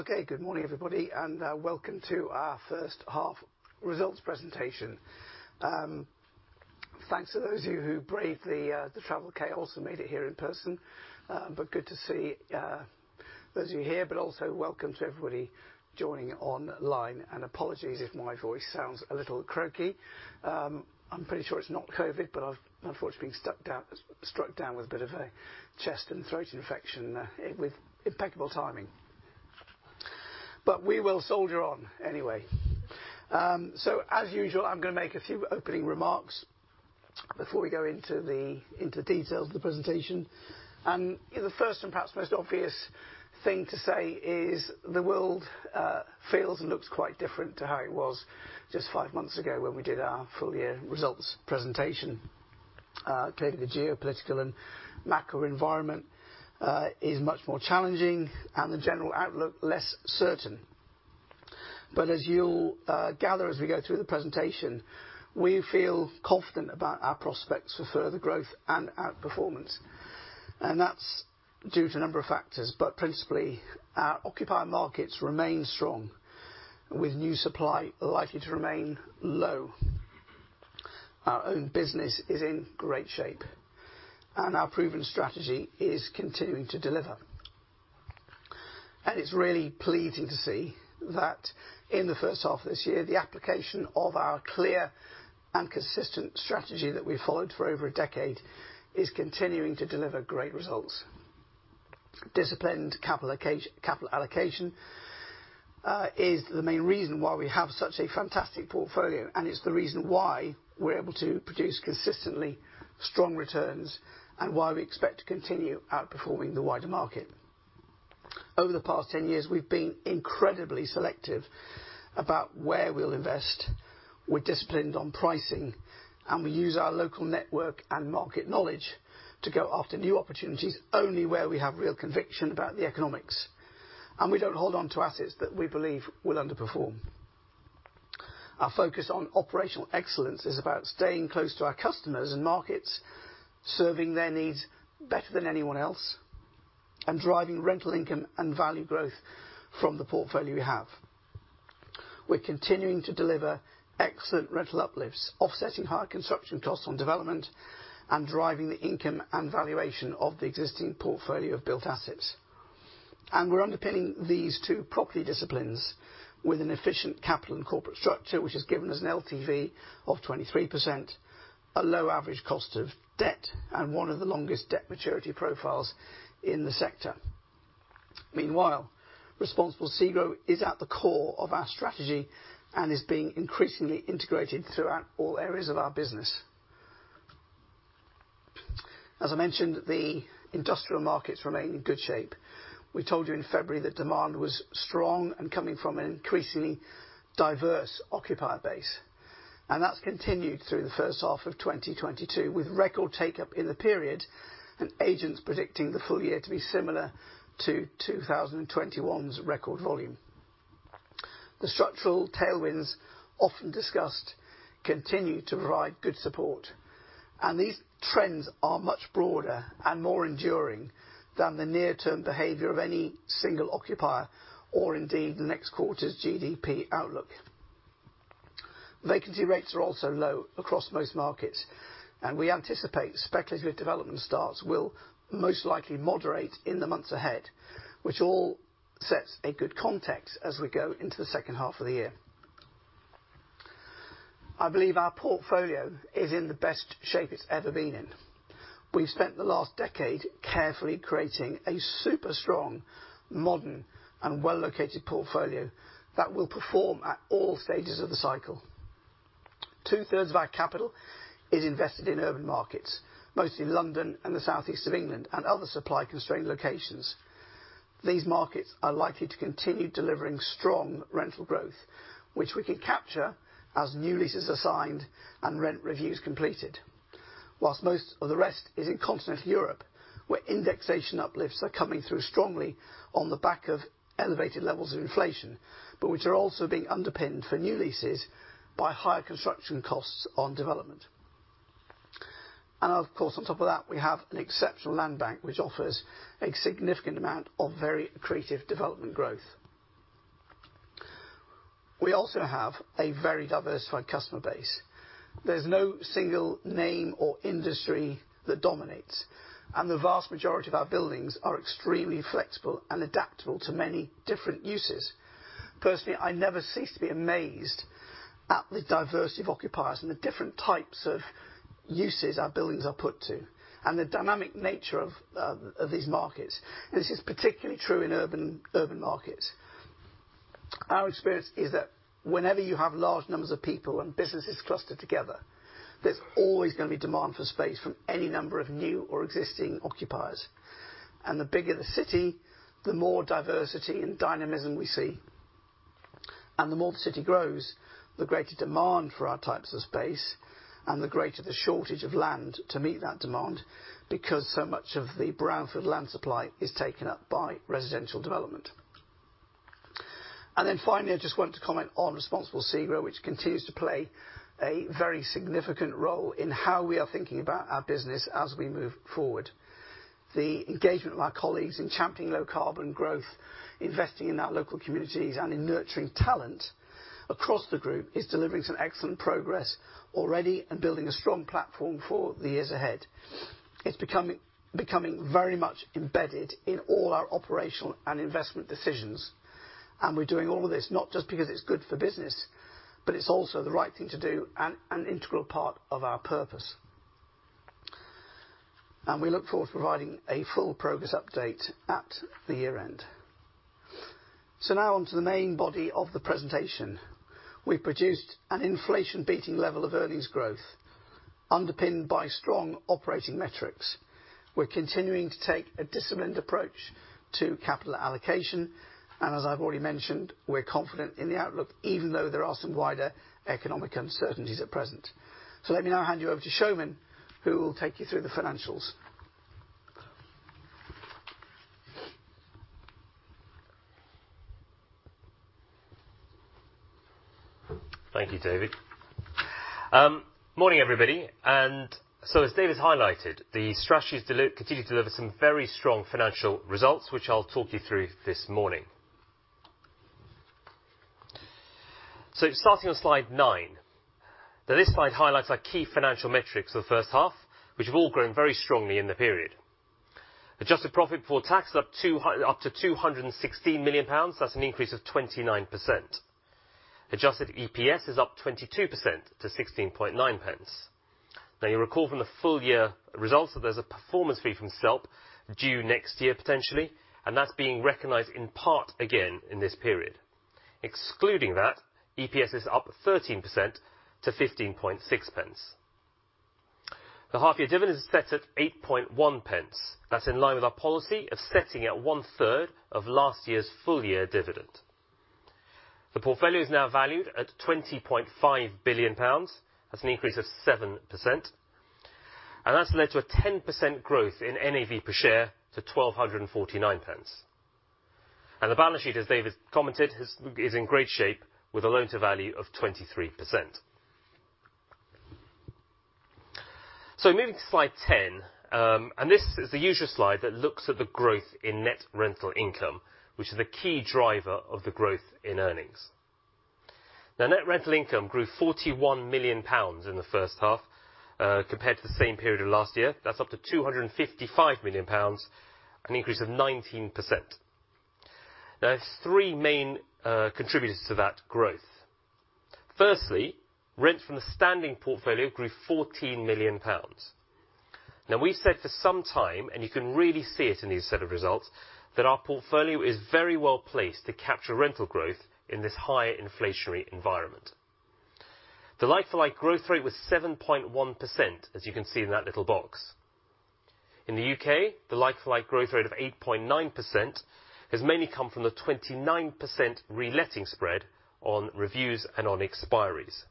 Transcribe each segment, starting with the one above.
Okay, good morning, everybody, and welcome to our first half results presentation. Thanks to those of you who braved the travel chaos and made it here in person. But good to see those of you here, but also welcome to everybody joining online. Apologies if my voice sounds a little croaky. I'm pretty sure it's not COVID, but I've unfortunately been struck down with a bit of a chest and throat infection with impeccable timing. But we will soldier on anyway. As usual, I'm gonna make a few opening remarks before we go into details of the presentation. The first and perhaps most obvious thing to say is the world feels and looks quite different to how it was just five months ago when we did our full year results presentation. Clearly the geopolitical and macro environment is much more challenging and the general outlook less certain. As you'll gather as we go through the presentation, we feel confident about our prospects for further growth and outperformance. That's due to a number of factors, but principally our occupier markets remain strong, with new supply likely to remain low. Our own business is in great shape, and our proven strategy is continuing to deliver. It's really pleasing to see that in the first half of this year, the application of our clear and consistent strategy that we followed for over a decade is continuing to deliver great results. Disciplined capital allocation is the main reason why we have such a fantastic portfolio, and it's the reason why we're able to produce consistently strong returns and why we expect to continue outperforming the wider market. Over the past 10 years, we've been incredibly selective about where we'll invest. We're disciplined on pricing, and we use our local network and market knowledge to go after new opportunities only where we have real conviction about the economics, and we don't hold on to assets that we believe will underperform. Our focus on operational excellence is about staying close to our customers and markets, serving their needs better than anyone else, and driving rental income and value growth from the portfolio we have. We're continuing to deliver excellent rental uplifts, offsetting higher construction costs on development and driving the income and valuation of the existing portfolio of built assets. We're underpinning these two property disciplines with an efficient capital and corporate structure, which has given us an LTV of 23%, a low average cost of debt, and one of the longest debt maturity profiles in the sector. Meanwhile, Responsible SEGRO is at the core of our strategy and is being increasingly integrated throughout all areas of our business. As I mentioned, the industrial markets remain in good shape. We told you in February that demand was strong and coming from an increasingly diverse occupier base, and that's continued through the first half of 2022, with record take up in the period and agents predicting the full year to be similar to 2021's record volume. The structural tailwinds often discussed continue to provide good support, and these trends are much broader and more enduring than the near-term behavior of any single occupier or indeed the next quarter's GDP outlook. Vacancy rates are also low across most markets, and we anticipate speculative development starts will most likely moderate in the months ahead, which all sets a good context as we go into the second half of the year. I believe our portfolio is in the best shape it's ever been in. We've spent the last decade carefully creating a super strong, modern, and well-located portfolio that will perform at all stages of the cycle. 2/3 of our capital is invested in urban markets, mostly London and the southeast of England and other supply-constrained locations. These markets are likely to continue delivering strong rental growth, which we can capture as new leases are signed and rent reviews completed. Whilst most of the rest is in continental Europe, where indexation uplifts are coming through strongly on the back of elevated levels of inflation, but which are also being underpinned for new leases by higher construction costs on development. Of course, on top of that, we have an exceptional land bank, which offers a significant amount of very accretive development growth. We also have a very diversified customer base. There's no single name or industry that dominates, and the vast majority of our buildings are extremely flexible and adaptable to many different uses. Personally, I never cease to be amazed at the diversity of occupiers and the different types of uses our buildings are put to and the dynamic nature of these markets. This is particularly true in urban markets. Our experience is that whenever you have large numbers of people and businesses clustered together, there's always gonna be demand for space from any number of new or existing occupiers. The bigger the city, the more diversity and dynamism we see. The more the city grows, the greater demand for our types of space and the greater the shortage of land to meet that demand, because so much of the brownfield land supply is taken up by residential development. Finally, I just want to comment on Responsible SEGRO, which continues to play a very significant role in how we are thinking about our business as we move forward. The engagement of our colleagues in championing low carbon growth, investing in our local communities, and in nurturing talent across the group, is delivering some excellent progress already, and building a strong platform for the years ahead. It's becoming very much embedded in all our operational and investment decisions. We're doing all of this not just because it's good for business, but it's also the right thing to do, and an integral part of our purpose. We look forward to providing a full progress update at the year-end. Now on to the main body of the presentation. We produced an inflation-beating level of earnings growth, underpinned by strong operating metrics. We're continuing to take a disciplined approach to capital allocation. As I've already mentioned, we're confident in the outlook, even though there are some wider economic uncertainties at present. Let me now hand you over to Soumen, who will take you through the financials. Thank you, David. Morning everybody. As David's highlighted, the strategy's continued to deliver some very strong financial results, which I'll talk you through this morning. Starting on slide 9. Now this slide highlights our key financial metrics for the first half, which have all grown very strongly in the period. Adjusted profit before tax is up to 216 million pounds. That's an increase of 29%. Adjusted EPS is up 22% to 16.9 pence. You'll recall from the full year results that there's a performance fee from SELP due next year, potentially, and that's being recognized in part again in this period. Excluding that, EPS is up 13% to 15.6 pence. The half-year dividend is set at 8.1 pence. That's in line with our policy of setting at one-third of last year's full year dividend. The portfolio is now valued at 20.5 billion pounds. That's an increase of 7%. That's led to a 10% growth in NAV per share to 1,249 pence. The balance sheet, as David's commented, is in great shape with a loan to value of 23%. Moving to slide 10. This is the usual slide that looks at the growth in net rental income, which is the key driver of the growth in earnings. Net rental income grew 41 million pounds in the first half, compared to the same period of last year. That's up to 255 million pounds, an increase of 19%. There's three main contributors to that growth. Firstly, rent from the standing portfolio grew 14 million pounds. Now, we said for some time, and you can really see it in these set of results, that our portfolio is very well placed to capture rental growth in this high inflationary environment. The like-for-like growth rate was 7.1%, as you can see in that little box. In the U.K., the like-for-like growth rate of 8.9% has mainly come from the 29% re-letting spread on reviews and on expiries.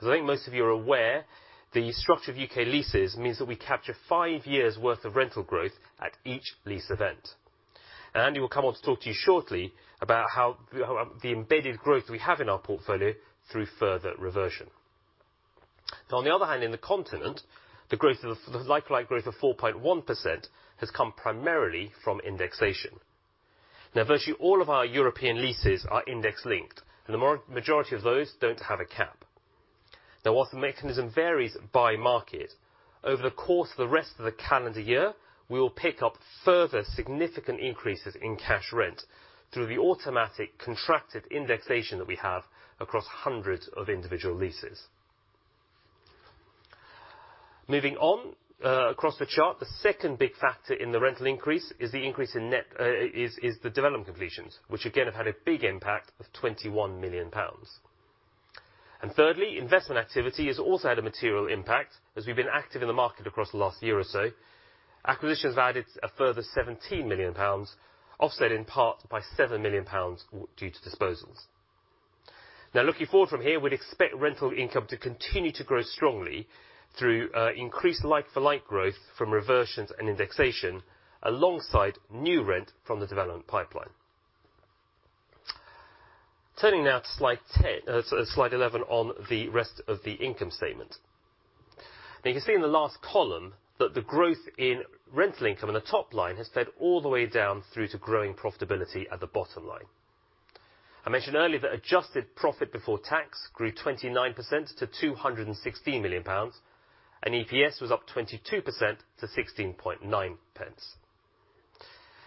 As I think most of you are aware, the structure of U.K. leases means that we capture five years' worth of rental growth at each lease event. Andy will come on to talk to you shortly about how, the embedded growth we have in our portfolio through further reversion. Now, on the other hand, in the continent, the growth of the like-for-like growth of 4.1% has come primarily from indexation. Now, virtually all of our European leases are index-linked, and the majority of those don't have a cap. Now, while the mechanism varies by market, over the course of the rest of the calendar year, we will pick up further significant increases in cash rent through the automatic contracted indexation that we have across hundreds of individual leases. Moving on, across the chart, the second big factor in the rental increase is the development completions, which again have had a big impact of 21 million pounds. Thirdly, investment activity has also had a material impact, as we've been active in the market across the last year or so. Acquisitions added a further GBP 17 million, offset in part by GBP 7 million due to disposals. Looking forward from here, we'd expect rental income to continue to grow strongly through increased like-for-like growth from reversions and indexation, alongside new rent from the development pipeline. Turning now to slide 10, slide 11 on the rest of the income statement. You can see in the last column that the growth in rental income on the top line has fed all the way down through to growing profitability at the bottom line. I mentioned earlier that adjusted profit before tax grew 29% to 216 million pounds, and EPS was up 22% to 16.9 pence.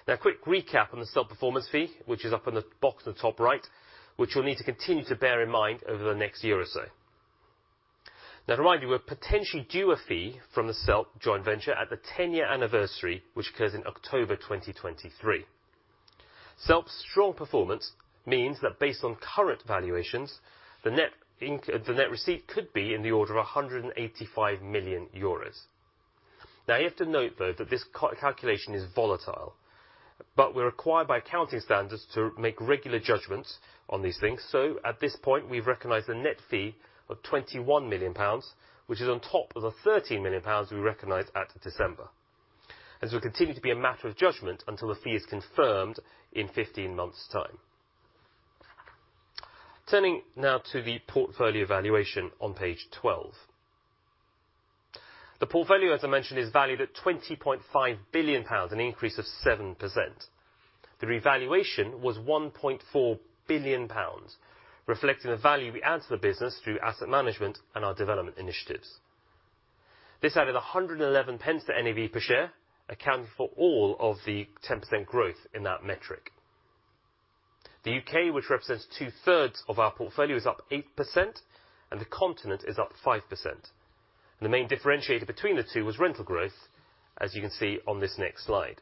Now a quick recap on the SELP performance fee, which is up on the box at the top right, which you'll need to continue to bear in mind over the next year or so. Now to remind you, we're potentially due a fee from the SELP joint venture at the 10-year anniversary, which occurs in October 2023. SELP's strong performance means that based on current valuations, the net receipt could be in the order of 185 million euros. Now, you have to note though, that this calculation is volatile, but we're required by accounting standards to make regular judgments on these things. At this point, we've recognized a net fee of 21 million pounds, which is on top of the 13 million pounds we recognized at December. It will continue to be a matter of judgment until the fee is confirmed in 15 months time. Turning now to the portfolio valuation on page 12. The portfolio, as I mentioned, is valued at 20.5 billion pounds, an increase of 7%. The revaluation was 1.4 billion pounds, reflecting the value we add to the business through asset management and our development initiatives. This added 111 pence to NAV per share, accounting for all of the 10% growth in that metric. The U.K., which represents two-thirds of our portfolio, is up 8% and the continent is up 5%. The main differentiator between the two was rental growth, as you can see on this next slide.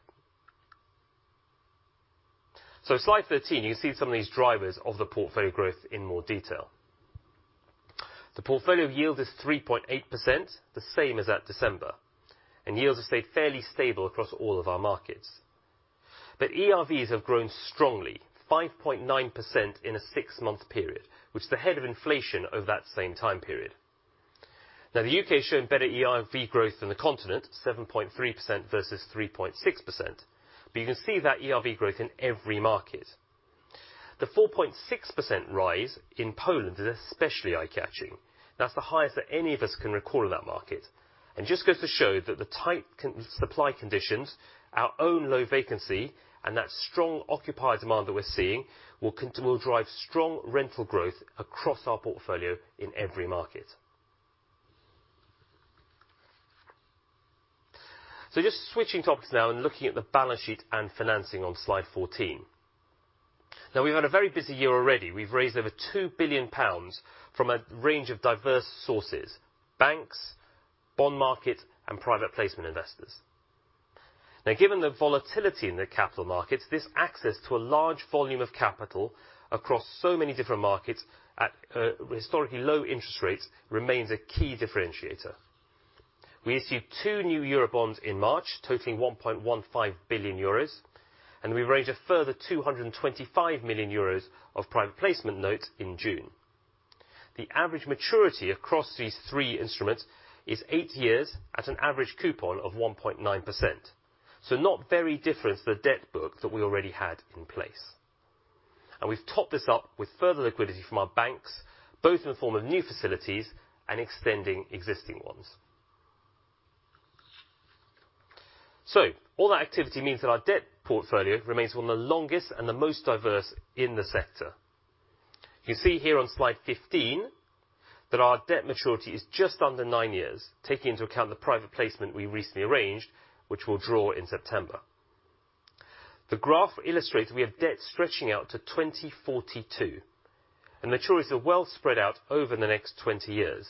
Slide 13, you can see some of these drivers of the portfolio growth in more detail. The portfolio yield is 3.8%, the same as at December, and yields have stayed fairly stable across all of our markets. ERVs have grown strongly, 5.9% in a six month period, which is ahead of inflation over that same time period. Now the U.K. has shown better ERV growth than the continent, 7.3% versus 3.6%, but you can see that ERV growth in every market. The 4.6% rise in Poland is especially eye-catching. That's the highest that any of us can recall in that market and just goes to show that the tight con-supply conditions, our own low vacancy, and that strong occupier demand that we're seeing will drive strong rental growth across our portfolio in every market. Just switching topics now and looking at the balance sheet and financing on Slide 14. We've had a very busy year already. We've raised over 2 billion pounds from a range of diverse sources, banks, bond market, and private placement investors. Given the volatility in the capital markets, this access to a large volume of capital across so many different markets at historically low interest rates remains a key differentiator. We issued two new Eurobonds in March, totaling 1.15 billion euros, and we raised a further 225 million euros of private placement notes in June. The average maturity across these three instruments is eight years at an average coupon of 1.9%. Not very different to the debt book that we already had in place. We've topped this up with further liquidity from our banks, both in the form of new facilities and extending existing ones. All that activity means that our debt portfolio remains one of the longest and the most diverse in the sector. You see here on slide 15 that our debt maturity is just under nine years, taking into account the private placement we recently arranged, which we'll draw in September. The graph illustrates we have debt stretching out to 2042, and maturities are well spread out over the next 20 years.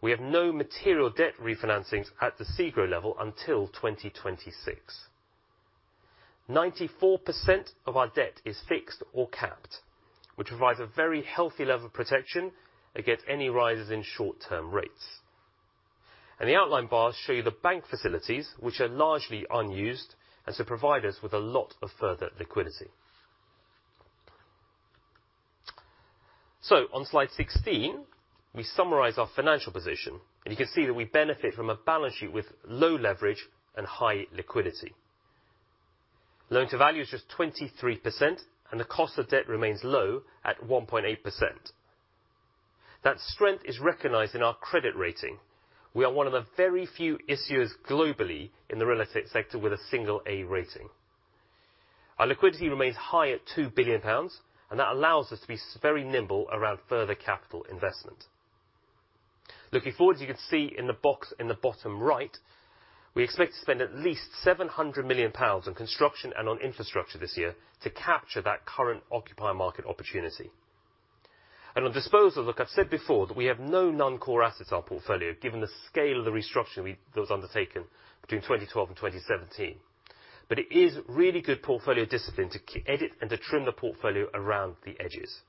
We have no material debt refinancings at the SEGRO level until 2026. 94% of our debt is fixed or capped, which provides a very healthy level of protection against any rises in short-term rates. The outline bars show you the bank facilities, which are largely unused, and so provide us with a lot of further liquidity. On slide 16, we summarize our financial position, and you can see that we benefit from a balance sheet with low leverage and high liquidity. Loan to value is just 23%, and the cost of debt remains low at 1.8%. That strength is recognized in our credit rating. We are one of the very few issuers globally in the real estate sector with a single A rating. Our liquidity remains high at 2 billion pounds, and that allows us to be very nimble around further capital investment. Looking forward, as you can see in the box in the bottom right, we expect to spend at least 700 million pounds on construction and on infrastructure this year to capture that current occupier market opportunity. On disposal, look, I've said before that we have no non-core assets in our portfolio, given the scale of the restructuring that was undertaken between 2012 and 2017. It is really good portfolio discipline to edit and to trim the portfolio around the edges.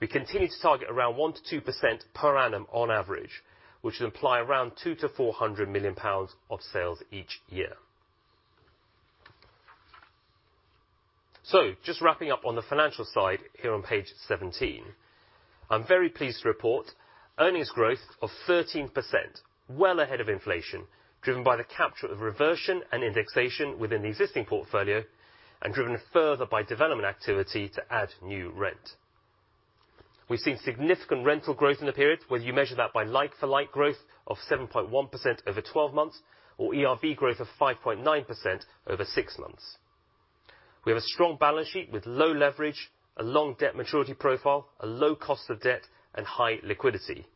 We continue to target around 1%-2% per annum on average, which would imply around 200 million-400 million pounds of sales each year. Just wrapping up on the financial side here on page 17. I'm very pleased to report earnings growth of 13%, well ahead of inflation, driven by the capture of reversion and indexation within the existing portfolio and driven further by development activity to add new rent. We've seen significant rental growth in the period, whether you measure that by like-for-like growth of 7.1% over 12 months or ERV growth of 5.9% over six months. We have a strong balance sheet with low leverage, a long debt maturity profile, a low cost of debt, and high liquidity.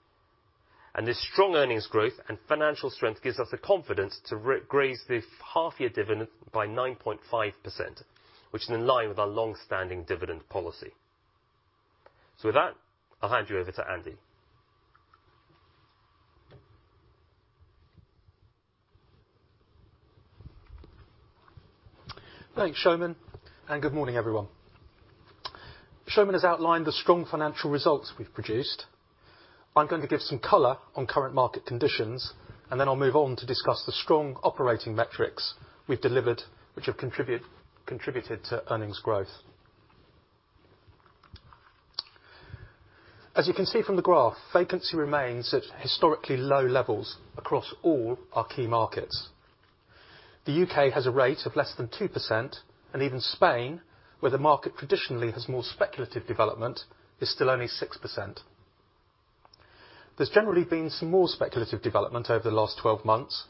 This strong earnings growth and financial strength gives us the confidence to raise the half-year dividend by 9.5%, which is in line with our long-standing dividend policy. With that, I'll hand you over to Andy. Thanks, Soumen, and good morning, everyone. Soumen has outlined the strong financial results we've produced. I'm going to give some color on current market conditions, and then I'll move on to discuss the strong operating metrics we've delivered, which have contributed to earnings growth. As you can see from the graph, vacancy remains at historically low levels across all our key markets. The U.K. has a rate of less than 2%, and even Spain, where the market traditionally has more speculative development, is still only 6%. There's generally been some more speculative development over the last 12 months,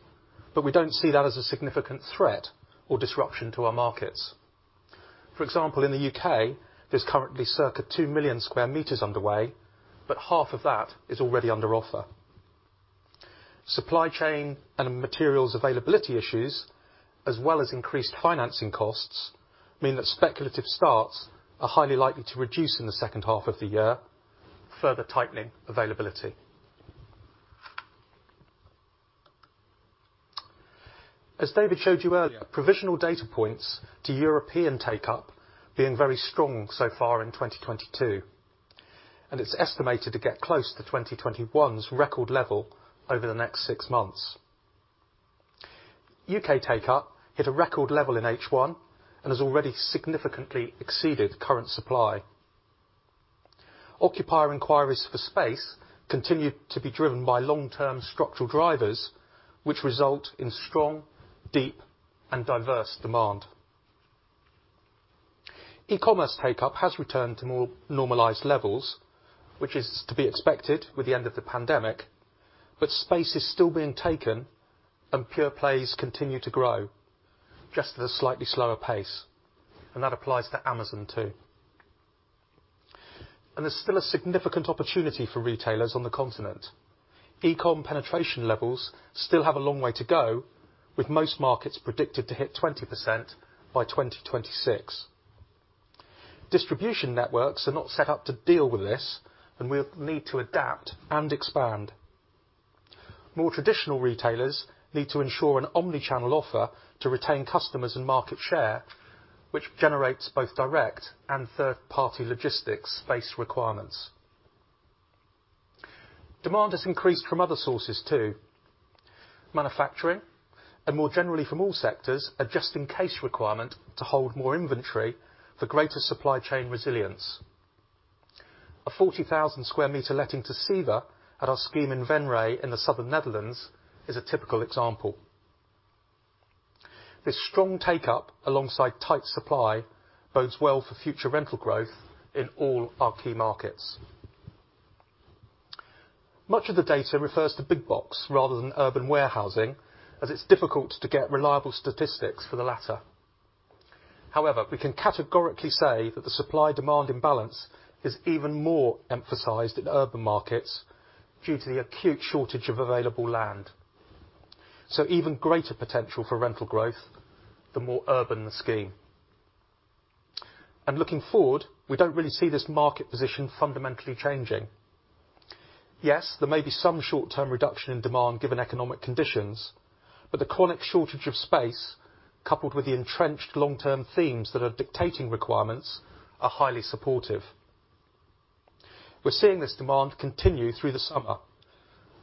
but we don't see that as a significant threat or disruption to our markets. For example, in the U.K., there's currently circa 2 million sq m underway, but half of that is already under offer. Supply chain and materials availability issues, as well as increased financing costs, mean that speculative starts are highly likely to reduce in the second half of the year, further tightening availability. As David showed you earlier, provisional data points to European take-up being very strong so far in 2022, and it's estimated to get close to 2021's record level over the next six months. U.K. take-up hit a record level in H1 and has already significantly exceeded current supply. Occupier inquiries for space continue to be driven by long-term structural drivers, which result in strong, deep, and diverse demand. E-commerce take-up has returned to more normalized levels, which is to be expected with the end of the pandemic, but space is still being taken, and pure plays continue to grow, just at a slightly slower pace. That applies to Amazon too. There's still a significant opportunity for retailers on the continent. E-com penetration levels still have a long way to go, with most markets predicted to hit 20% by 2026. Distribution networks are not set up to deal with this, and will need to adapt and expand. More traditional retailers need to ensure an omnichannel offer to retain customers and market share, which generates both direct and third-party logistics space requirements. Demand has increased from other sources too. Manufacturing, and more generally from all sectors, a just in case requirement to hold more inventory for greater supply chain resilience. A 40,000 sq m letting to CEVA at our scheme in Venray in the southern Netherlands is a typical example. This strong take-up alongside tight supply bodes well for future rental growth in all our key markets. Much of the data refers to big box rather than urban warehousing, as it's difficult to get reliable statistics for the latter. However, we can categorically say that the supply-demand imbalance is even more emphasized in urban markets due to the acute shortage of available land, so even greater potential for rental growth the more urban the scheme. Looking forward, we don't really see this market position fundamentally changing. Yes, there may be some short-term reduction in demand given economic conditions, but the chronic shortage of space, coupled with the entrenched long-term themes that are dictating requirements, are highly supportive. We're seeing this demand continue through the summer,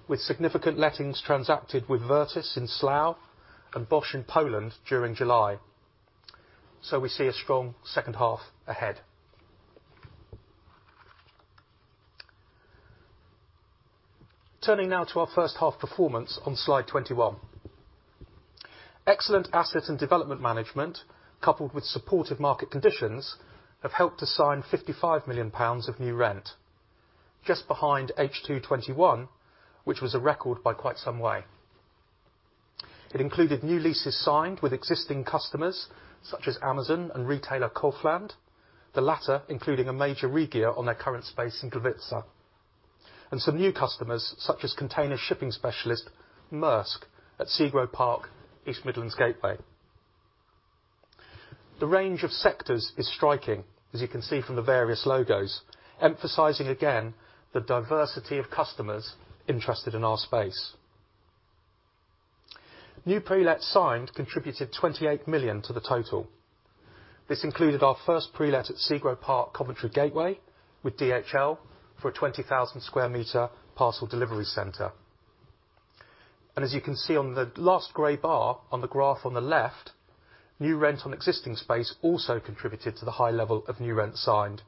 with significant lettings transacted with VIRTUS in Slough and Bosch in Poland during July. We see a strong second half ahead. Turning now to our first half performance on slide 21. Excellent asset and development management, coupled with supportive market conditions, have helped to sign 55 million pounds of new rent, just behind H2 2021, which was a record by quite some way. It included new leases signed with existing customers, such as Amazon and retailer Kaufland, the latter including a major regear on their current space in Gliwice. Some new customers, such as container shipping specialist Maersk at SEGRO Park East Midlands Gateway. The range of sectors is striking, as you can see from the various logos, emphasizing again the diversity of customers interested in our space. New pre-let signed contributed 28 million to the total. This included our first pre-let at SEGRO Park Coventry Gateway with DHL for a 20,000 sq m parcel delivery center. As you can see on the last gray bar on the graph on the left, new rent on existing space also contributed to the high level of new rent signed,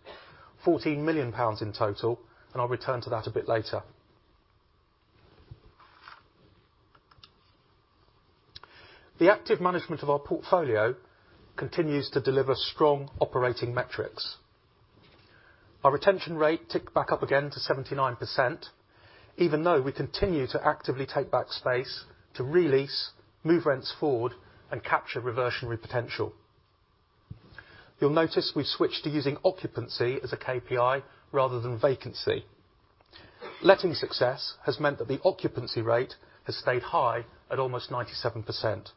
14 million pounds in total, and I'll return to that a bit later. The active management of our portfolio continues to deliver strong operating metrics. Our retention rate ticked back up again to 79%, even though we continue to actively take back space to re-lease, move rents forward, and capture reversionary potential. You'll notice we've switched to using occupancy as a KPI rather than vacancy. Letting success has meant that the occupancy rate has stayed high at almost 97%.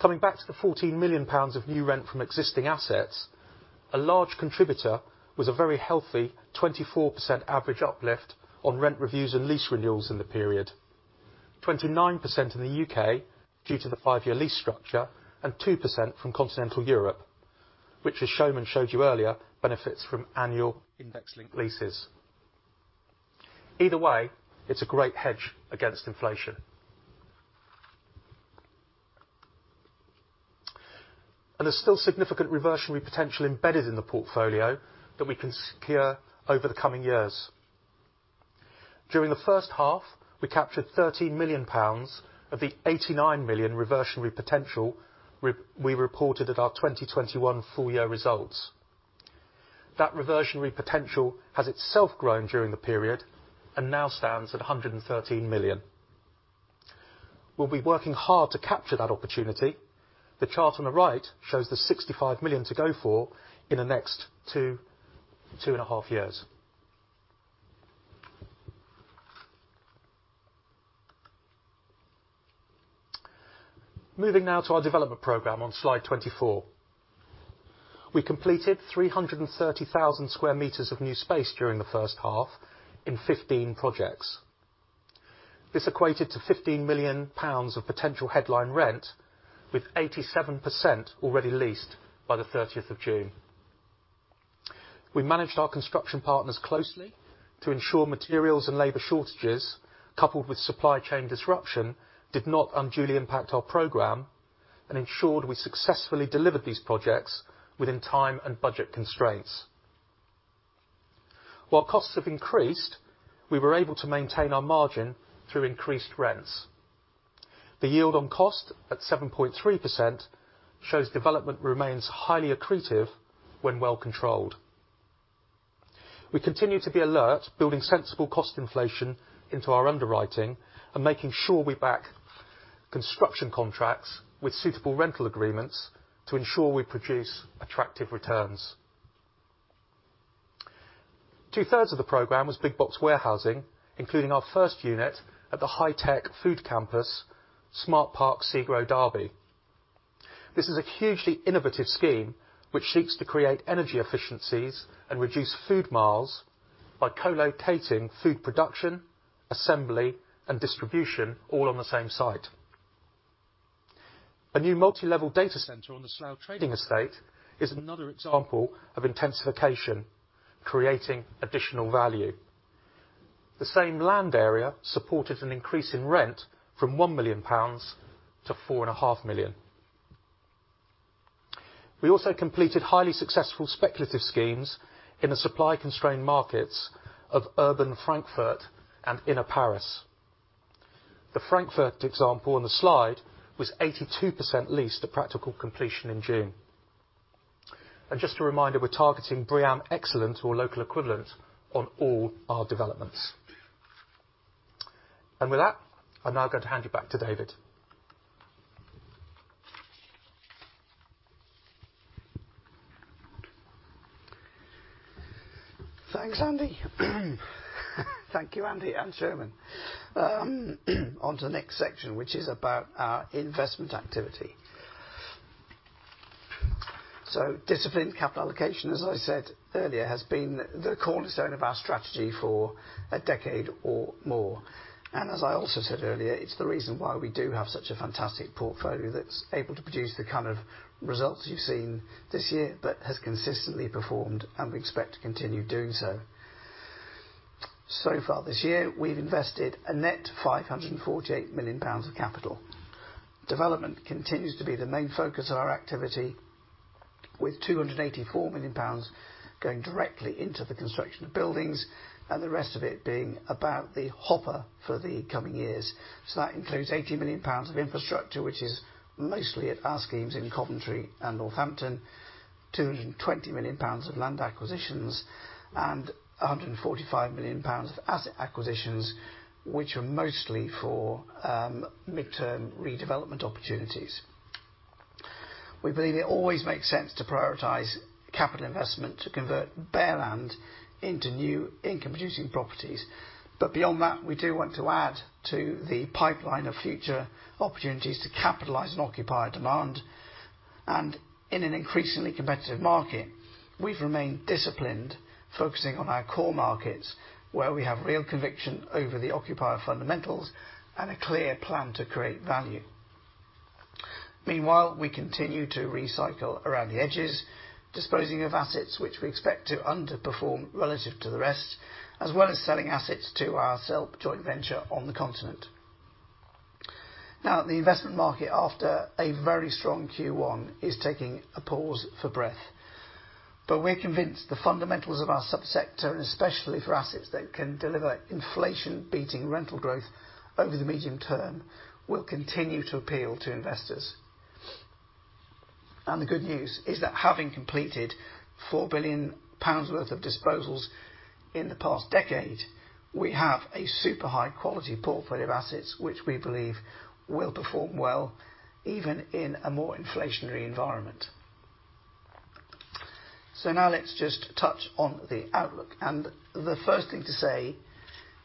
Coming back to the 14 million pounds of new rent from existing assets, a large contributor was a very healthy 24% average uplift on rent reviews and lease renewals in the period. 29% in the U.K. due to the five-year lease structure and 2% from continental Europe, which as Soumen Das showed you earlier, benefits from annual index-linked leases. Either way, it's a great hedge against inflation. There's still significant reversionary potential embedded in the portfolio that we can secure over the coming years. During the first half, we captured 13 million pounds of the 89 million reversionary potential we reported at our 2021 full-year results. That reversionary potential has itself grown during the period, and now stands at 113 million. We'll be working hard to capture that opportunity. The chart on the right shows the 65 million to go for in the next 2.5 Years. Moving now to our development program on slide 24. We completed 330,000 sq m of new space during the first half in 15 projects. This equated to 15 million pounds of potential headline rent, with 87% already leased by the 30th of June. We managed our construction partners closely to ensure materials and labor shortages, coupled with supply chain disruption, did not unduly impact our program, and ensured we successfully delivered these projects within time and budget constraints. While costs have increased, we were able to maintain our margin through increased rents. The yield on cost, at 7.3%, shows development remains highly accretive when well controlled. We continue to be alert, building sensible cost inflation into our underwriting, and making sure we back construction contracts with suitable rental agreements to ensure we produce attractive returns. 2/3 of the program was big box warehousing, including our first unit at the High Tech Food Campus, SmartParc SEGRO Derby. This is a hugely innovative scheme which seeks to create energy efficiencies and reduce food miles by co-locating food production, assembly, and distribution all on the same site. A new multi-level data center on the Slough Trading Estate is another example of intensification, creating additional value. The same land area supported an increase in rent from 1 million pounds to 4.5 million. We also completed highly successful speculative schemes in the supply-constrained markets of urban Frankfurt and inner Paris. The Frankfurt example on the slide was 82% leased at practical completion in June. Just a reminder, we're targeting BREEAM excellent or local equivalent on all our developments. With that, I'm now going to hand you back to David. Thanks, Andy. Thank you, Andy and chairman. On to the next section, which is about our investment activity. Disciplined capital allocation, as I said earlier, has been the cornerstone of our strategy for a decade or more. As I also said earlier, it's the reason why we do have such a fantastic portfolio that's able to produce the kind of results you've seen this year, but has consistently performed, and we expect to continue doing so. So far this year, we've invested a net 548 million pounds of capital. Development continues to be the main focus of our activity with 284 million pounds going directly into the construction of buildings and the rest of it being about the hopper for the coming years. That includes 80 million pounds of infrastructure, which is mostly at our schemes in Coventry and Northampton, 220 million pounds of land acquisitions, and 145 million pounds of asset acquisitions, which are mostly for mid-term redevelopment opportunities. We believe it always makes sense to prioritize capital investment to convert bare land into new income-producing properties. Beyond that, we do want to add to the pipeline of future opportunities to capitalize on occupier demand. In an increasingly competitive market, we've remained disciplined, focusing on our core markets, where we have real conviction over the occupier fundamentals and a clear plan to create value. Meanwhile, we continue to recycle around the edges, disposing of assets which we expect to underperform relative to the rest, as well as selling assets to our SELP joint venture on the continent. Now, the investment market after a very strong Q1 is taking a pause for breath. We're convinced the fundamentals of our sub-sector, and especially for assets that can deliver inflation-beating rental growth over the medium term, will continue to appeal to investors. The good news is that having completed 4 billion pounds worth of disposals in the past decade, we have a super high quality portfolio of assets, which we believe will perform well even in a more inflationary environment. Now let's just touch on the outlook. The first thing to say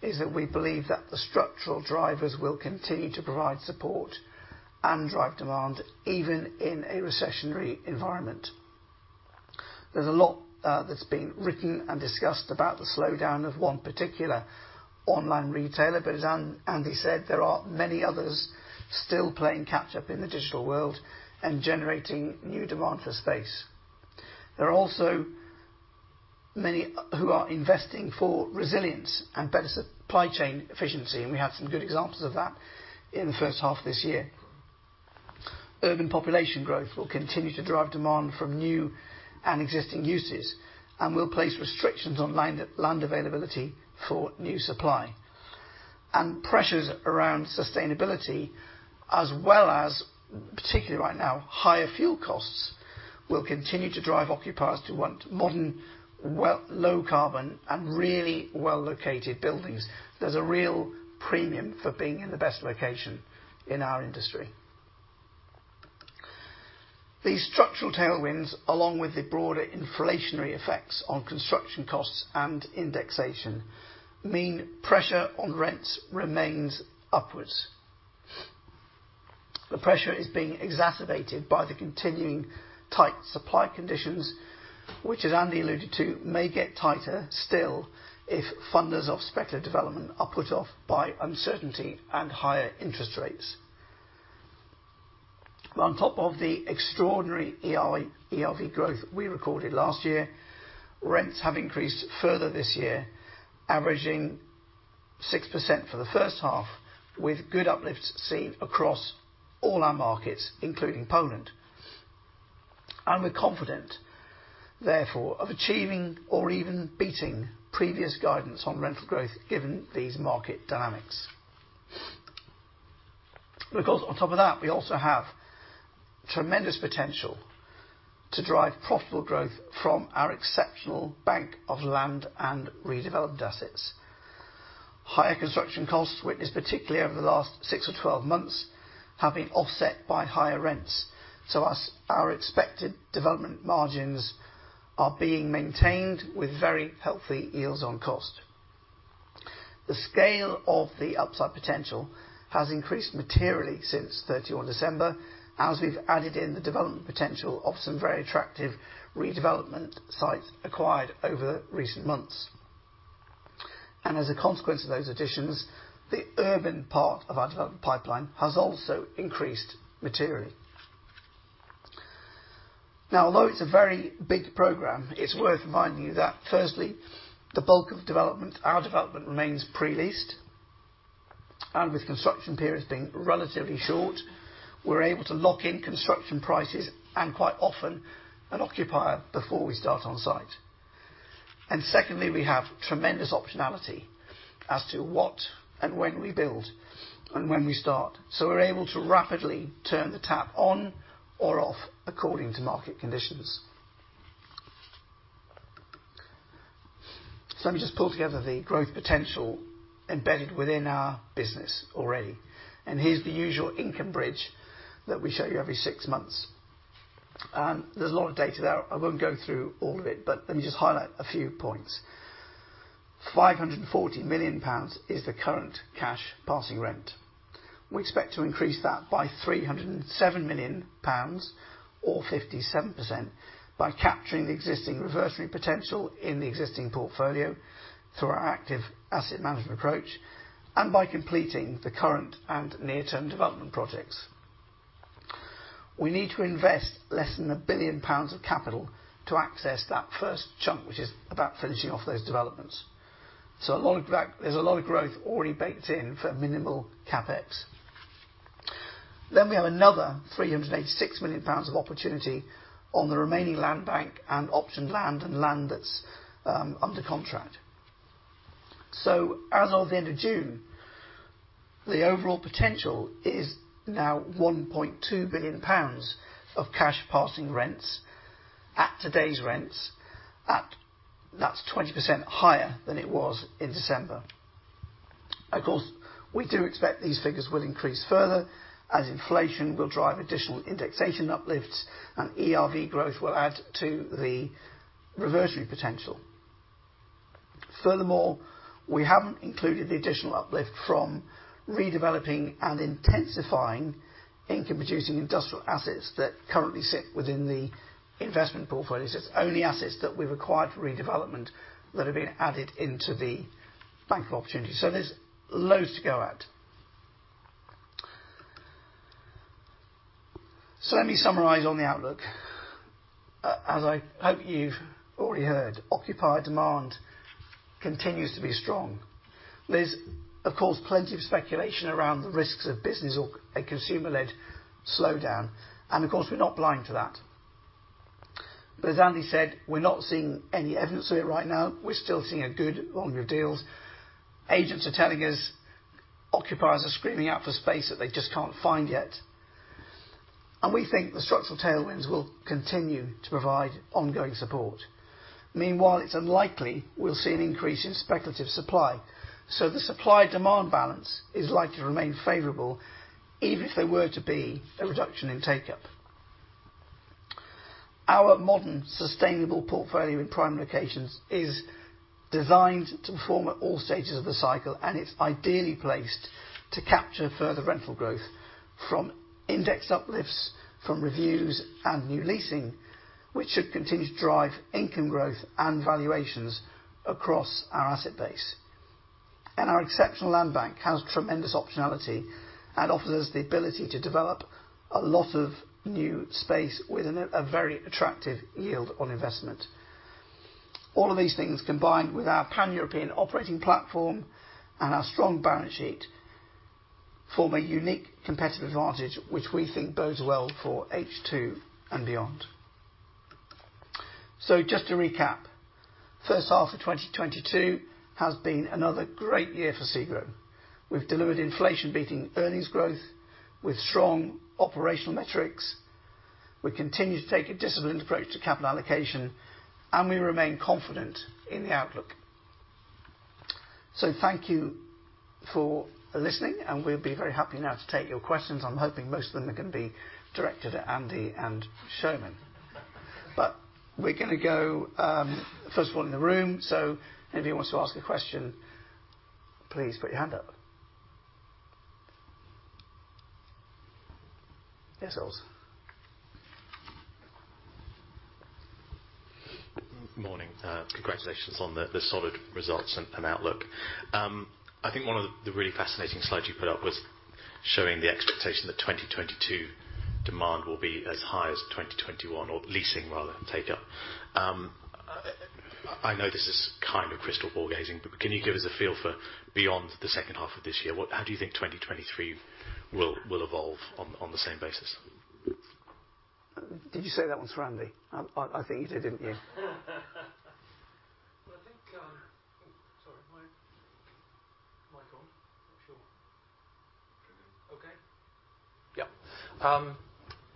is that we believe that the structural drivers will continue to provide support and drive demand, even in a recessionary environment. There's a lot that's been written and discussed about the slowdown of one particular online retailer, but as Andy said, there are many others still playing catch up in the digital world and generating new demand for space. There are also many who are investing for resilience and better supply chain efficiency, and we have some good examples of that in the first half this year. Urban population growth will continue to drive demand from new and existing uses, and will place restrictions on land availability for new supply. Pressures around sustainability, as well as particularly right now, higher fuel costs, will continue to drive occupiers to want modern, well low carbon, and really well-located buildings. There's a real premium for being in the best location in our industry. These structural tailwinds, along with the broader inflationary effects on construction costs and indexation, mean pressure on rents remains upwards. The pressure is being exacerbated by the continuing tight supply conditions, which as Andy alluded to, may get tighter still if funders of speculative development are put off by uncertainty and higher interest rates. On top of the extraordinary ERV growth we recorded last year, rents have increased further this year, averaging 6% for the first half, with good uplifts seen across all our markets, including Poland. We're confident, therefore, of achieving or even beating previous guidance on rental growth given these market dynamics. Of course, on top of that, we also have tremendous potential to drive profitable growth from our exceptional bank of land and redeveloped assets. Higher construction costs witnessed, particularly over the last six or 12 months, have been offset by higher rents. As our expected development margins are being maintained with very healthy yields on cost. The scale of the upside potential has increased materially since 31 December as we've added in the development potential of some very attractive redevelopment sites acquired over recent months. As a consequence of those additions, the urban part of our development pipeline has also increased materially. Now, although it's a very big program, it's worth reminding you that firstly, the bulk of development, our development remains pre-leased. With construction periods being relatively short, we're able to lock in construction prices and quite often an occupier before we start on site. Secondly, we have tremendous optionality as to what and when we build and when we start. We're able to rapidly turn the tap on or off according to market conditions. Let me just pull together the growth potential embedded within our business already. Here's the usual income bridge that we show you every six months. There's a lot of data there. I won't go through all of it, but let me just highlight a few points. 540 million pounds is the current cash passing rent. We expect to increase that by 307 million pounds, or 57%, by capturing the existing reversionary potential in the existing portfolio through our active asset management approach, and by completing the current and near-term development projects. We need to invest less than 1 billion pounds of capital to access that first chunk, which is about finishing off those developments. A lot of that. There's a lot of growth already baked in for minimal CapEx. We have another 386 million pounds of opportunity on the remaining land bank and optioned land, and land that's under contract. As of the end of June, the overall potential is now 1.2 billion pounds of cash passing rents. At today's rents, that's 20% higher than it was in December. Of course, we do expect these figures will increase further as inflation will drive additional indexation uplifts and ERV growth will add to the reversionary potential. Furthermore, we haven't included the additional uplift from redeveloping and intensifying income-producing industrial assets that currently sit within the investment portfolios. It's only assets that we've acquired for redevelopment that have been added into the bank of opportunities. There's loads to go at. Let me summarize on the outlook. As I hope you've already heard, occupier demand continues to be strong. There's, of course, plenty of speculation around the risks of business or a consumer-led slowdown. Of course, we're not blind to that. As Andy said, we're not seeing any evidence of it right now. We're still seeing a good volume of deals. Agents are telling us occupiers are screaming out for space that they just can't find yet. We think the structural tailwinds will continue to provide ongoing support. Meanwhile, it's unlikely we'll see an increase in speculative supply. The supply-demand balance is likely to remain favorable, even if there were to be a reduction in take-up. Our modern, sustainable portfolio in prime locations is designed to perform at all stages of the cycle, and it's ideally placed to capture further rental growth from index uplifts, from reviews, and new leasing, which should continue to drive income growth and valuations across our asset base. Our exceptional land bank has tremendous optionality and offers us the ability to develop a lot of new space within a very attractive yield on investment. All of these things, combined with our pan-European operating platform and our strong balance sheet, form a unique competitive advantage which we think bodes well for H2 and beyond. Just to recap, first half of 2022 has been another great year for SEGRO. We've delivered inflation-beating earnings growth with strong operational metrics. We continue to take a disciplined approach to capital allocation, and we remain confident in the outlook. Thank you for listening, and we'll be very happy now to take your questions. I'm hoping most of them are gonna be directed at Andy and Soumen. We're gonna go first of all in the room. If anyone wants to ask a question, please put your hand up. Yes, Oz? Morning. Congratulations on the solid results and outlook. I think one of the really fascinating slides you put up was showing the expectation that 2022 demand will be as high as 2021, or leasing rather than take-up. I know this is kind of crystal ball gazing, but can you give us a feel for beyond the second half of this year? What? How do you think 2023 will evolve on the same basis? Did you say that one's for Andy? I think you did, didn't you? I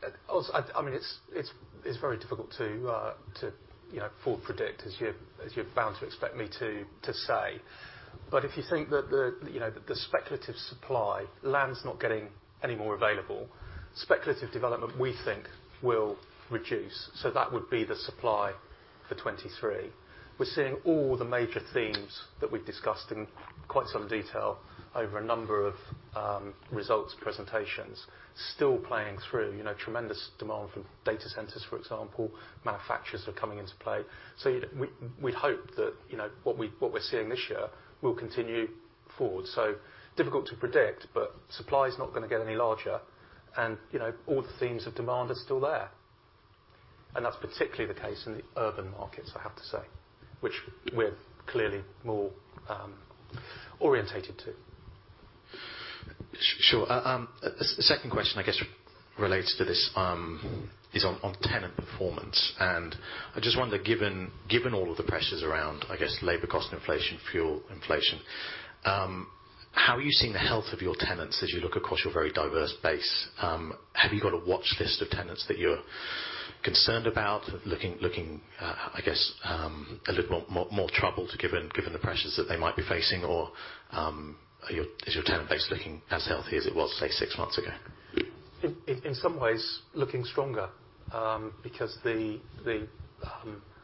think, I mean, it's very difficult to, you know, forecast as you're bound to expect me to say. If you think that the, you know, the speculative supply, land's not getting any more available. Speculative development we think will reduce, so that would be the supply for 2023. We're seeing all the major themes that we've discussed in quite some detail over a number of results presentations still playing through. You know, tremendous demand for data centers, for example, manufacturers are coming into play. We'd hope that, you know, what we're seeing this year will continue forward. Difficult to predict, but supply is not gonna get any larger and, you know, all the themes of demand are still there. That's particularly the case in the urban markets, I have to say, which we're clearly more oriented to. Sure. The second question, I guess, related to this, is on tenant performance. I just wonder, given all of the pressures around, I guess, labor cost inflation, fuel inflation, how are you seeing the health of your tenants as you look across your very diverse base? Have you got a watch list of tenants that you're concerned about, looking a little more troubled given the pressures that they might be facing? Or, is your tenant base looking as healthy as it was, say, six months ago? In some ways looking stronger, because the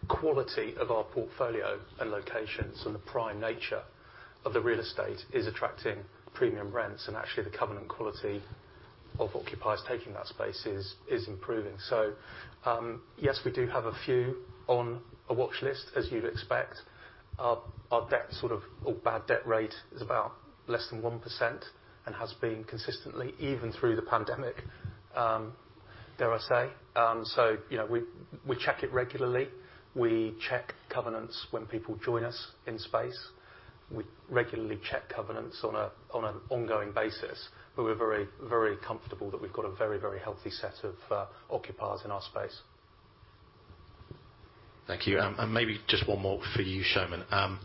quality of our portfolio and locations and the prime nature of the real estate is attracting premium rents. Actually, the covenant quality of occupiers taking that space is improving. Yes, we do have a few on a watch list, as you'd expect. Our debt sort of, or bad debt rate is about less than 1% and has been consistently, even through the pandemic, dare I say. You know, we check it regularly. We check covenants when people join us in space. We regularly check covenants on an ongoing basis, but we're very comfortable that we've got a very healthy set of occupiers in our space. Thank you. Maybe just one more for you, Soumen Das. Look,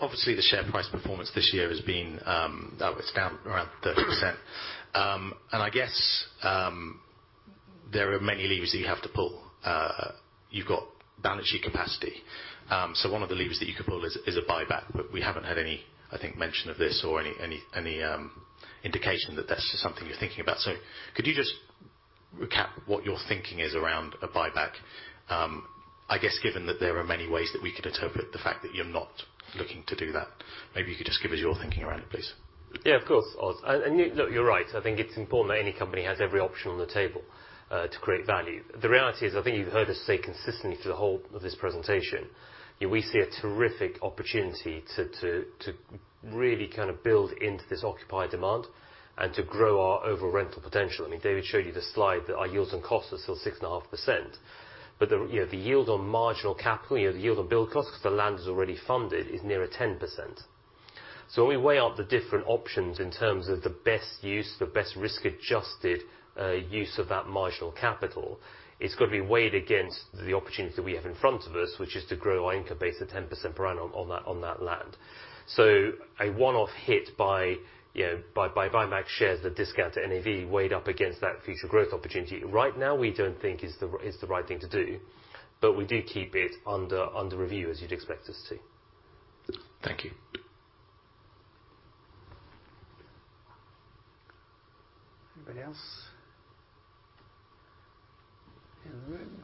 obviously the share price performance this year has been, now it's down around 30%. I guess there are many levers that you have to pull. You've got balance sheet capacity. One of the levers that you could pull is a buyback. We haven't had any, I think, mention of this or any indication that that's just something you're thinking about. Could you just recap what your thinking is around a buyback? I guess given that there are many ways that we could interpret the fact that you're not looking to do that, maybe you could just give us your thinking around it, please. Yeah, of course, Oz. Look, you're right. I think it's important that any company has every option on the table to create value. The reality is, I think you've heard us say consistently through the whole of this presentation, you know, we see a terrific opportunity to really kind of build into this occupied demand and to grow our overall rental potential. I mean, David showed you the slide that our yield on cost is still 6.5%. You know, the yield on marginal capital, you know, the yield on build costs 'cause the land is already funded, is nearer 10%. We weigh up the different options in terms of the best use, the best risk-adjusted use of that marginal capital. It's got to be weighed against the opportunity that we have in front of us, which is to grow our income base to 10% per annum on that land. A one-off hit by, you know, by buying back shares at a discount to NAV weighed up against that future growth opportunity, right now we don't think is the right thing to do, but we do keep it under review, as you'd expect us to. Thank you. Anybody else in the room?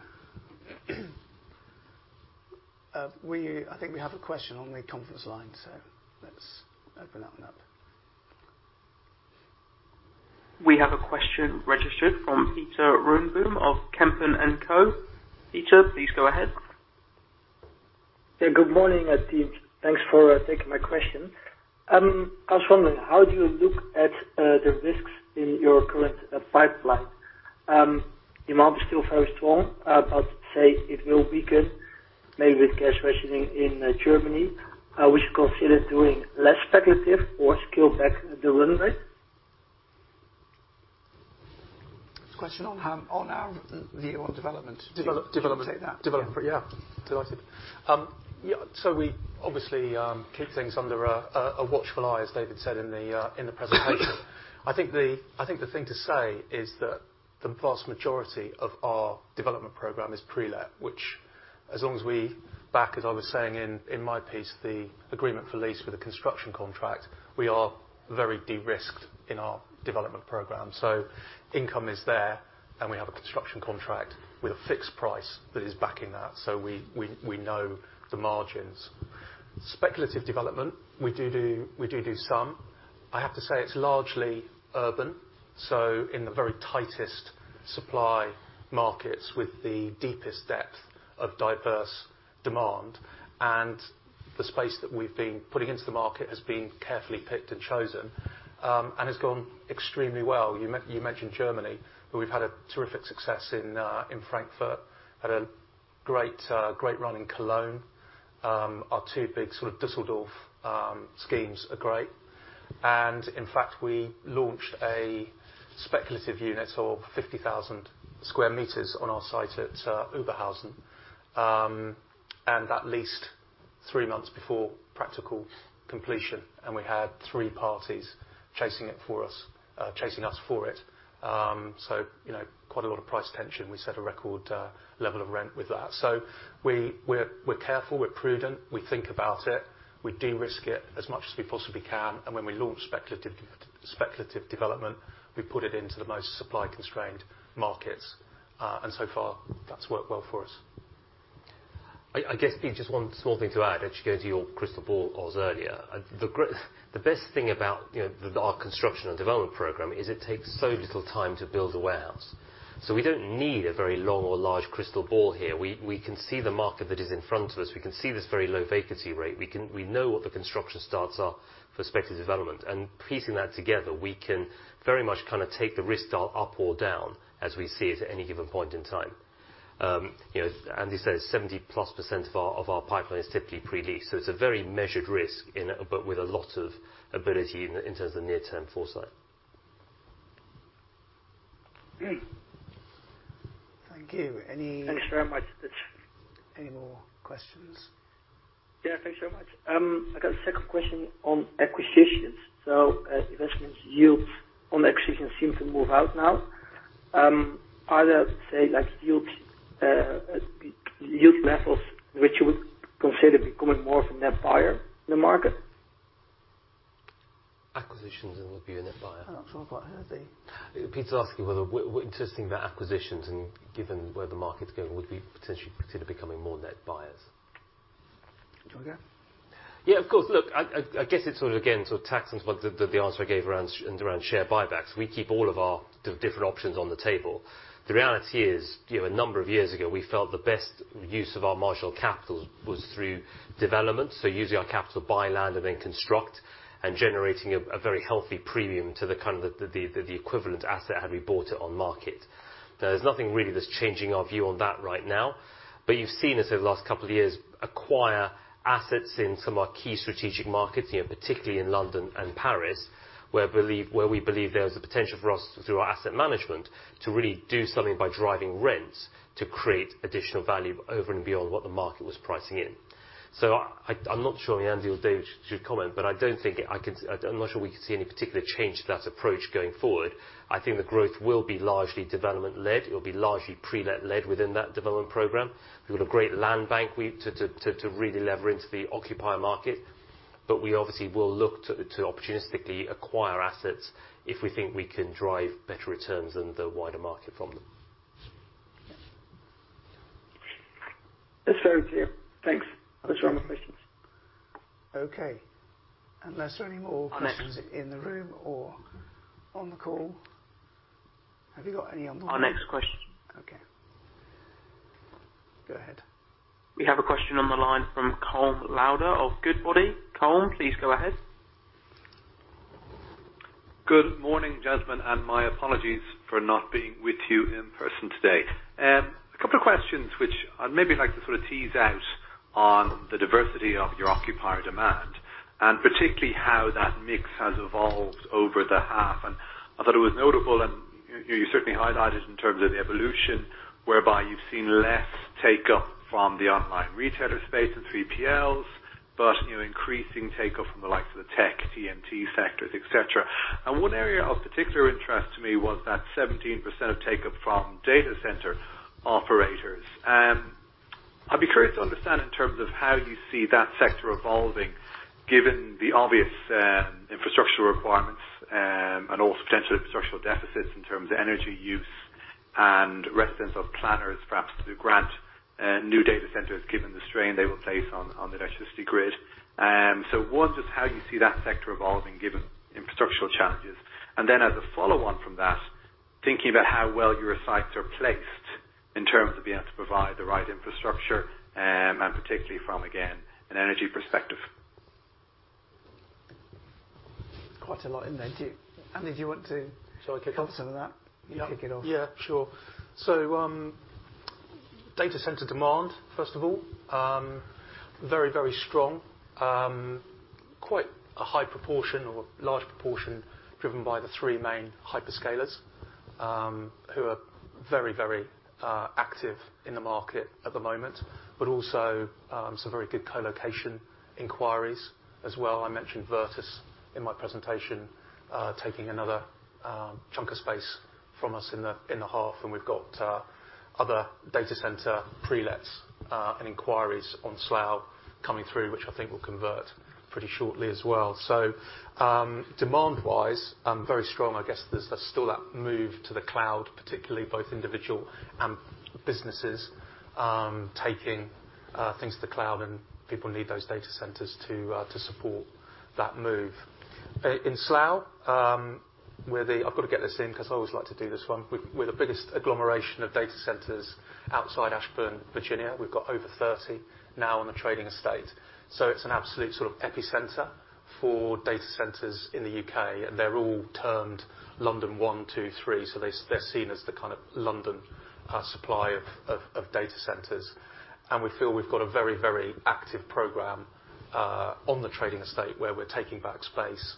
I think we have a question on the conference line, so let's open that one up. We have a question registered from Peter Werges of Kempen & Co. Peter, please go ahead. Yeah, good morning, team. Thanks for taking my question. I was wondering, how do you look at the risks in your current pipeline? Demand is still very strong. Say it will weaken maybe with cash rationing in Germany. We should consider doing less speculative or scale back the runway. Question on our view on development. Development. Take that. Development. Yeah. Delighted. Yeah, so we obviously keep things under a watchful eye, as David said in the presentation. I think the thing to say is that the vast majority of our development program is pre-let, which as long as we back, as I was saying in my piece, the agreement for lease with a construction contract, we are very de-risked in our development program. So income is there, and we have a construction contract with a fixed price that is backing that. So we know the margins. Speculative development, we do some. I have to say it's largely urban, so in the very tightest supply markets with the deepest depth of diverse demand. The space that we've been putting into the market has been carefully picked and chosen, and has gone extremely well. You mentioned Germany, but we've had a terrific success in Frankfurt. Had a great run in Cologne. Our two big sort of Düsseldorf schemes are great. In fact, we launched a speculative unit of 50,000 sq m on our site at Oberhausen. That leased three months before practical completion, and we had three parties chasing it for us, chasing us for it. You know, quite a lot of price tension. We set a record level of rent with that. We're careful, we're prudent, we think about it. We de-risk it as much as we possibly can. When we launch speculative development, we put it into the most supply constrained markets. So far, that's worked well for us. I guess, Pete, just one small thing to add, as you go to your crystal ball earlier. The best thing about, you know, our construction and development program is it takes so little time to build a warehouse. We don't need a very long or large crystal ball here. We can see the market that is in front of us. We can see this very low vacancy rate. We know what the construction starts are for speculative development. Piecing that together, we can very much kinda take the risk dial up or down as we see it at any given point in time. You know, Andy says 70%+ of our pipeline is typically pre-leased. It's a very measured risk in it, but with a lot of ability in terms of near-term foresight. Thank you. Any- Thanks very much. Any more questions? Yeah, thank you so much. I got a second question on acquisitions. Investment yields on acquisition seem to move out now. Are there yield levels which you would consider becoming more of a net buyer in the market? Acquisitions and would be a net buyer. I'm not sure I quite heard thee. Peter's asking whether we're interested in acquisitions, and given where the market's going, would we potentially consider becoming more net buyers? Do you wanna go? Yeah, of course. Look, I guess it sort of again sort of tacks on what the answer I gave around share buybacks. We keep all of our different options on the table. The reality is, you know, a number of years ago, we felt the best use of our marginal capital was through development, so using our capital to buy land and then construct and generating a very healthy premium to the kind of the equivalent asset had we bought it on market. There's nothing really that's changing our view on that right now. You've seen us over the last couple of years acquire assets in some of our key strategic markets, you know, particularly in London and Paris, where we believe there's a potential for us through our asset management to really do something by driving rents to create additional value over and beyond what the market was pricing in. I'm not sure Andrew Pilsworth or David Sleath should comment, but I don't think I can. I'm not sure we could see any particular change to that approach going forward. I think the growth will be largely development-led. It'll be largely pre-let led within that development program. We've got a great land bank to really leverage into the occupier market. We obviously will look to opportunistically acquire assets if we think we can drive better returns than the wider market from them. That's very clear. Thanks. No more questions. Okay. Unless there are any more questions in the room or on the call. Have you got any on the- Our next question. Okay. Go ahead. We have a question on the line from Colm Lauder of Goodbody. Colm, please go ahead. Good morning, Jasmine, and my apologies for not being with you in person today. A couple of questions which I'd maybe like to sort of tease out on the diversity of your occupier demand, and particularly how that mix has evolved over the half. I thought it was notable, and you certainly highlighted in terms of the evolution, whereby you've seen less take-up from the online retailer space and 3PLs, b-ut, you know, increasing take-up from the likes of the tech, TMT sectors, et cetera. One area of particular interest to me was that 17% of take-up from data center operators. I'd be curious to understand in terms of how you see that sector evolving, given the obvious infrastructure requirements, and all potential infrastructural deficits in terms of energy use and residents or planners perhaps to grant new data centers given the strain they will place on the electricity grid. One, just how you see that sector evolving given infrastructural challenges. As a follow on from that, thinking about how well your sites are placed in terms of being able to provide the right infrastructure, and particularly from again an energy perspective. Quite a lot in there, too. Andy, do you want to- Shall I kick off? Touch on that? You kick it off. Yeah, sure. Data center demand, first of all, very strong. Quite a high proportion or large proportion driven by the three main hyperscalers, who are very active in the market at the moment, but also some very good colocation inquiries as well. I mentioned VIRTUS in my presentation, taking another chunk of space from us in the half, and we've got other data center pre-lets and inquiries on Slough coming through, which I think will convert pretty shortly as well. Demand-wise, I'm very strong. I guess there's still that move to the cloud, particularly both individual and businesses taking things to the cloud, and people need those data centers to support that move. In Slough, we're the... I've got to get this in 'cause I always like to do this one. We're the biggest agglomeration of data centers outside Ashburn, Virginia. We've got over 30 now on the trading estate, so it's an absolute sort of epicenter for data centers in the U.K., and they're all termed London one, two, three, so they're seen as the kind of London supply of data centers. We feel we've got a very, very active program on the trading estate where we're taking back space,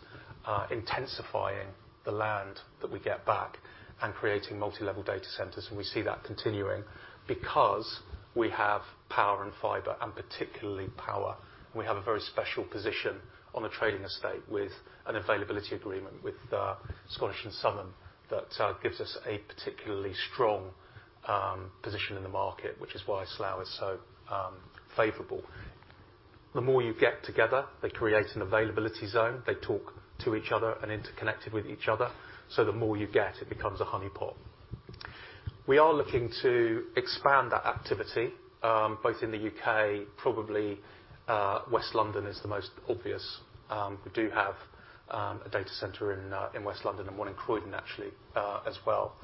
intensifying the land that we get back and creating multi-level data centers. We see that continuing because we have power and fiber and particularly power. We have a very special position on the trading estate with an availability agreement with Scottish and Southern Energy that gives us a particularly strong position in the market, which is why Slough is so favorable. The more you get together, they create an availability zone, they talk to each other and interconnected with each other, so the more you get, it becomes a honeypot. We are looking to expand that activity both in the U.K., probably West London is the most obvious. We do have a data center in West London and one in Croydon actually as well.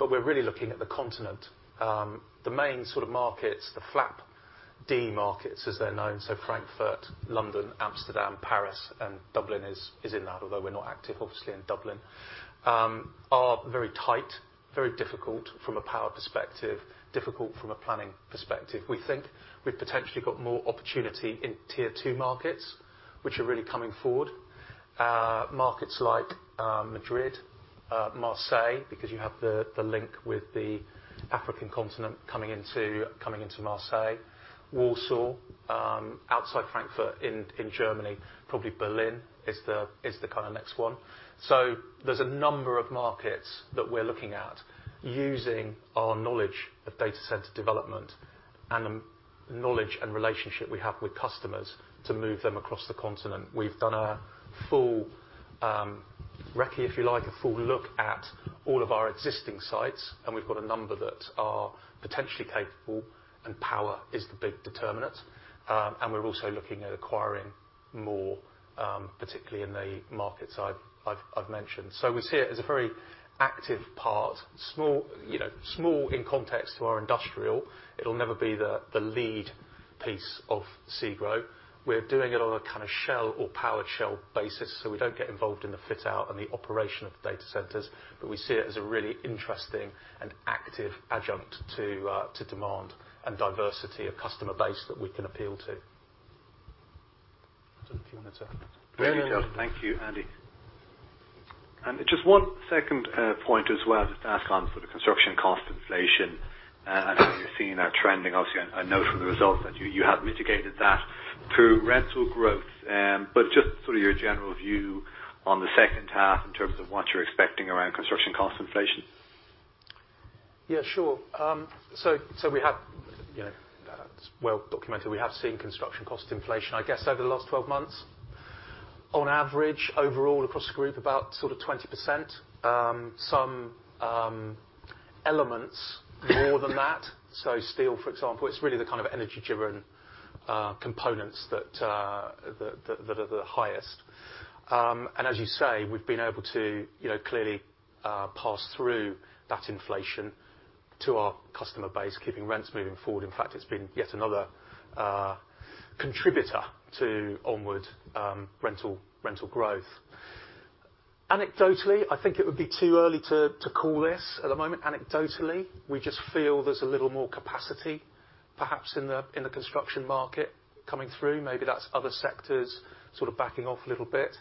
We're really looking at the continent. The main sort of markets, the FLAP-D markets, as they're known, so Frankfurt, London, Amsterdam, Paris, and Dublin is in that, although we're not active obviously in Dublin, are very tight, very difficult from a power perspective, difficult from a planning perspective. We think we've potentially got more opportunity in tier two markets, which are really coming forward. Markets like Madrid, Marseille, because you have the link with the African continent coming into Marseille. Warsaw, outside Frankfurt in Germany, probably Berlin is the kinda next one. There's a number of markets that we're looking at using our knowledge of data center development and the knowledge and relationship we have with customers to move them across the continent. We've done a full recce, if you like, a full look at all of our existing sites, and we've got a number that are potentially capable, and power is the big determinant. We're also looking at acquiring more, particularly in the markets I've mentioned. We see it as a very active part, small, you know, small in context to our industrial. It'll never be the lead piece of SEGRO. We're doing it on a kinda shell or powered shell basis, so we don't get involved in the fit-out and the operation of the data centers, but we see it as a really interesting and active adjunct to demand and diversity of customer base that we can appeal to. Don't know if you wanted to. Very detailed. Thank you, Andy. Just one second, point as well, just to ask on sort of construction cost inflation. I know you're seeing that trending. Obviously, I know from the results that you have mitigated that through rental growth. Just sort of your general view on the second half in terms of what you're expecting around construction cost inflation. Yeah, sure. We have, you know, it's well documented, we have seen construction cost inflation, I guess, over the last 12 months. On average, overall across the group, about sort of 20%. Some elements more than that. Steel, for example, it's really the kind of energy-driven components that are the highest. As you say, we've been able to, you know, clearly, pass through that inflation to our customer base, keeping rents moving forward. In fact, it's been yet another contributor to onward rental growth. Anecdotally, I think it would be too early to call this at the moment. Anecdotally, we just feel there's a little more capacity perhaps in the construction market coming through. Maybe that's other sectors sort of backing off a little bit.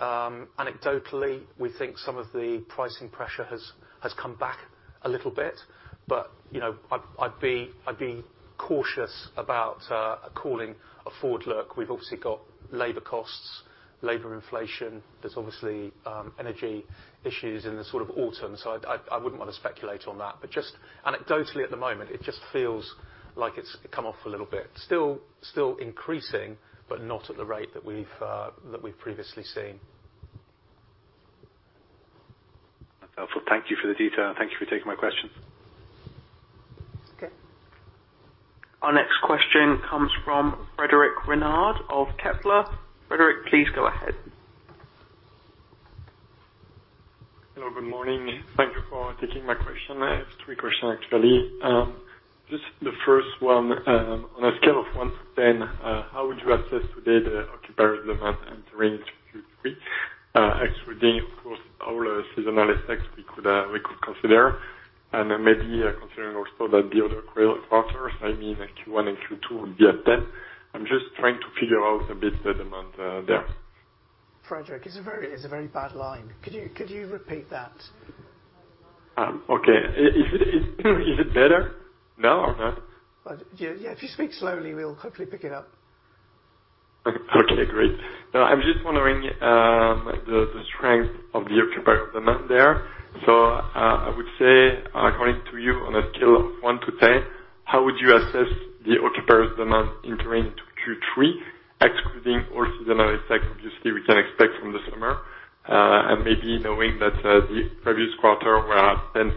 Anecdotally, we think some of the pricing pressure has come back a little bit. You know, I'd be cautious about calling a forward look. We've obviously got labor costs, labor inflation. There's obviously energy issues in the sort of autumn, so I wouldn't want to speculate on that. Just anecdotally at the moment, it just feels like it's come off a little bit. Still increasing, but not at the rate that we've previously seen. That's helpful. Thank you for the detail. Thank you for taking my question. Okay. Our next question comes from Frédéric Renard of Kepler. Frédéric, please go ahead. Hello, good morning. Thank you for taking my question. I have three questions, actually. Just the first one, on a scale of one to 10, how would you assess today the occupier demand entering Q3? Excluding, of course, all seasonal effects we could consider, and then maybe considering also that the other quarters, I mean, like Q1 and Q2 would be a ten. I'm just trying to figure out a bit the demand there. Frédéric, it's a very bad line. Could you repeat that? Is it better now or not? Yeah. If you speak slowly, we'll hopefully pick it up. Okay, great. No, I'm just wondering, the strength of the occupier demand there. I would say, according to you, on a scale of one to 10, how would you assess the occupier demand entering to Q3, excluding all seasonal effects obviously we can expect from the summer, and maybe knowing that, the previous quarter were at 10.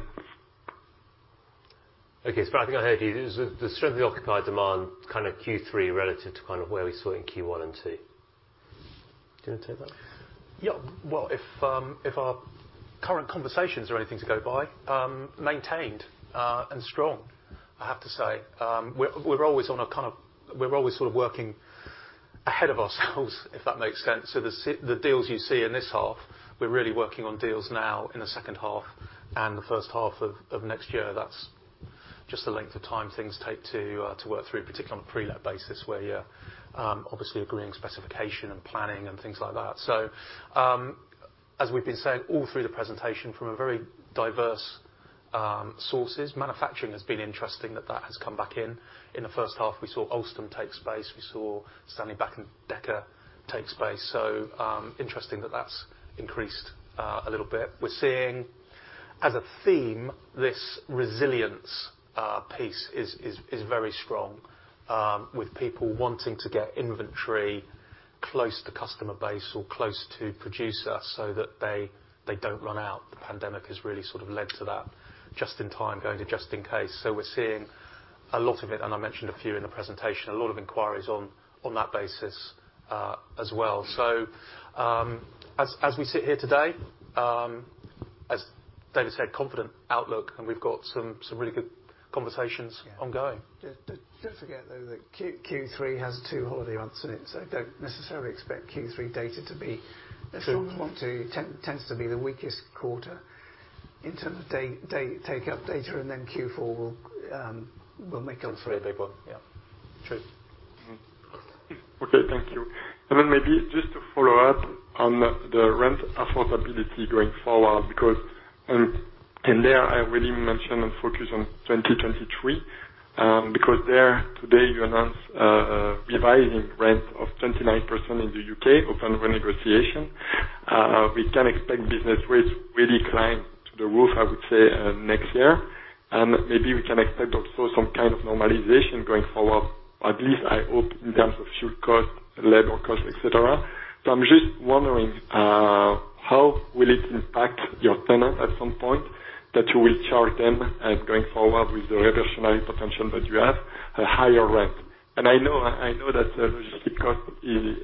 Okay. I think I heard you. The strength of the occupier demand kind of Q3 relative to kind of where we saw in Q1 and Q2. Do you wanna take that? Yeah. Well, if our current conversations are anything to go by, maintained and strong, I have to say. We're always sort of working ahead of ourselves, if that makes sense. The deals you see in this half, we're really working on deals now in the second half and the first half of next year. That's just the length of time things take to work through, particularly on a pre-let basis, where you're obviously agreeing specification and planning and things like that. As we've been saying all through the presentation, from a very diverse sources. Manufacturing has been interesting that has come back in. In the first half, we saw Alstom take space. We saw Stanley Black & Decker take space. Interesting that that's increased a little bit. We're seeing as a theme, this resilience piece is very strong, with people wanting to get inventory close to customer base or close to producer so that they don't run out. The pandemic has really sort of led to that just in time, going to just in case. We're seeing a lot of it, and I mentioned a few in the presentation, a lot of inquiries on that basis as well. As we sit here today, as David said, confident outlook, and we've got some really good conversations ongoing. Don't forget, though, that Q3 has two holiday months in it, so don't necessarily expect Q3 data to be. It's sort of one, two, tends to be the weakest quarter in terms of take-up data, and then Q4 will make up for it. It's really big one. Yeah. True. Okay, thank you. Then maybe just to follow up on the rent affordability going forward, because in there, I really mention and focus on 2023, because there today you announce revising rent of 29% in the U.K. upon renegotiation. We can expect business rates really climb through the roof, I would say, next year. Maybe we can expect also some kind of normalization going forward, at least I hope, in terms of fuel cost, labor cost, et cetera. I'm just wondering how it will impact your tenants at some point that you will charge them and going forward with the reversionary potential that you have a higher rent. I know that the logistics cost is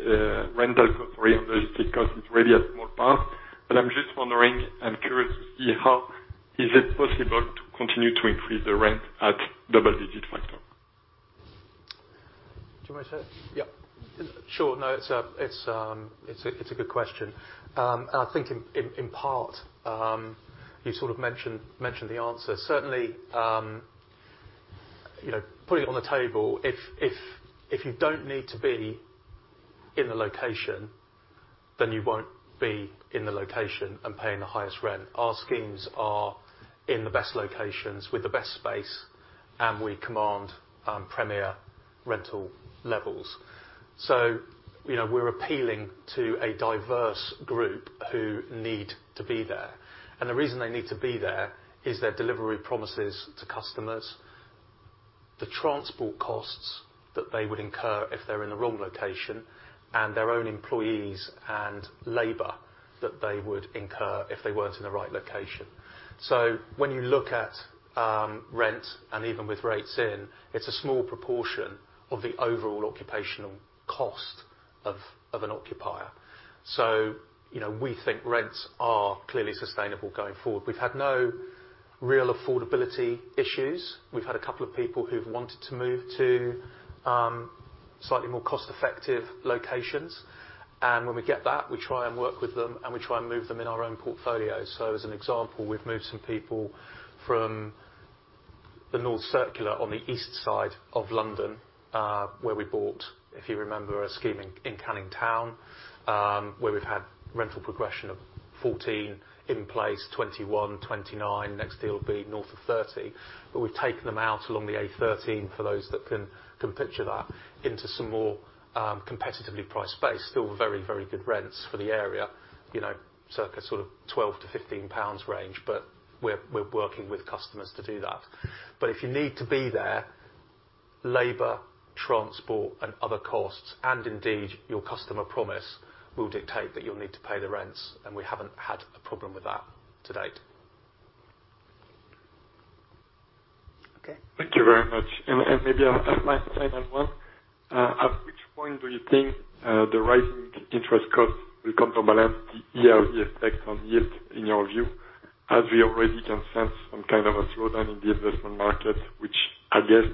rental cost or even logistics cost is really a small part, but I'm just wondering and curious to see how is it possible to continue to increase the rent at double-digit factor. Do you want me to take it? Yeah. Sure. No, it's a good question. I think in part, you sort of mentioned the answer. Certainly, you know, putting it on the table, if you don't need to be in the location, then you won't be in the location and paying the highest rent. Our schemes are in the best locations with the best space, and we command premier rental levels. You know, we're appealing to a diverse group who need to be there. The reason they need to be there is their delivery promises to customers, the transport costs that they would incur if they're in the wrong location, and their own employees and labor that they would incur if they weren't in the right location. When you look at rent and even with rates in, it's a small proportion of the overall occupational cost of an occupier. You know, we think rents are clearly sustainable going forward. We've had no real affordability issues. We've had a couple of people who've wanted to move to slightly more cost-effective locations. When we get that, we try and work with them, and we try and move them in our own portfolio. As an example, we've moved some people from the North Circular on the east side of London, where we bought, if you remember, a scheme in Canning Town, where we've had rental progression of 14% in place, 21%, 29%. Next deal will be north of 30%. We've taken them out along the A13, for those that can picture that, into some more competitively priced space. Still very, very good rents for the area, you know, circa sort of 12 million-15 million pounds range, but we're working with customers to do that. If you need to be there. Labor, transport, other costs, and indeed your customer promise will dictate that you'll need to pay the rents, and we haven't had a problem with that to date. Okay. Thank you very much. Maybe I'll add my final one. At which point do you think the rising interest cost will counterbalance the ERV effect on yield, in your view, as we already can sense some kind of a slowdown in the investment market, which I guess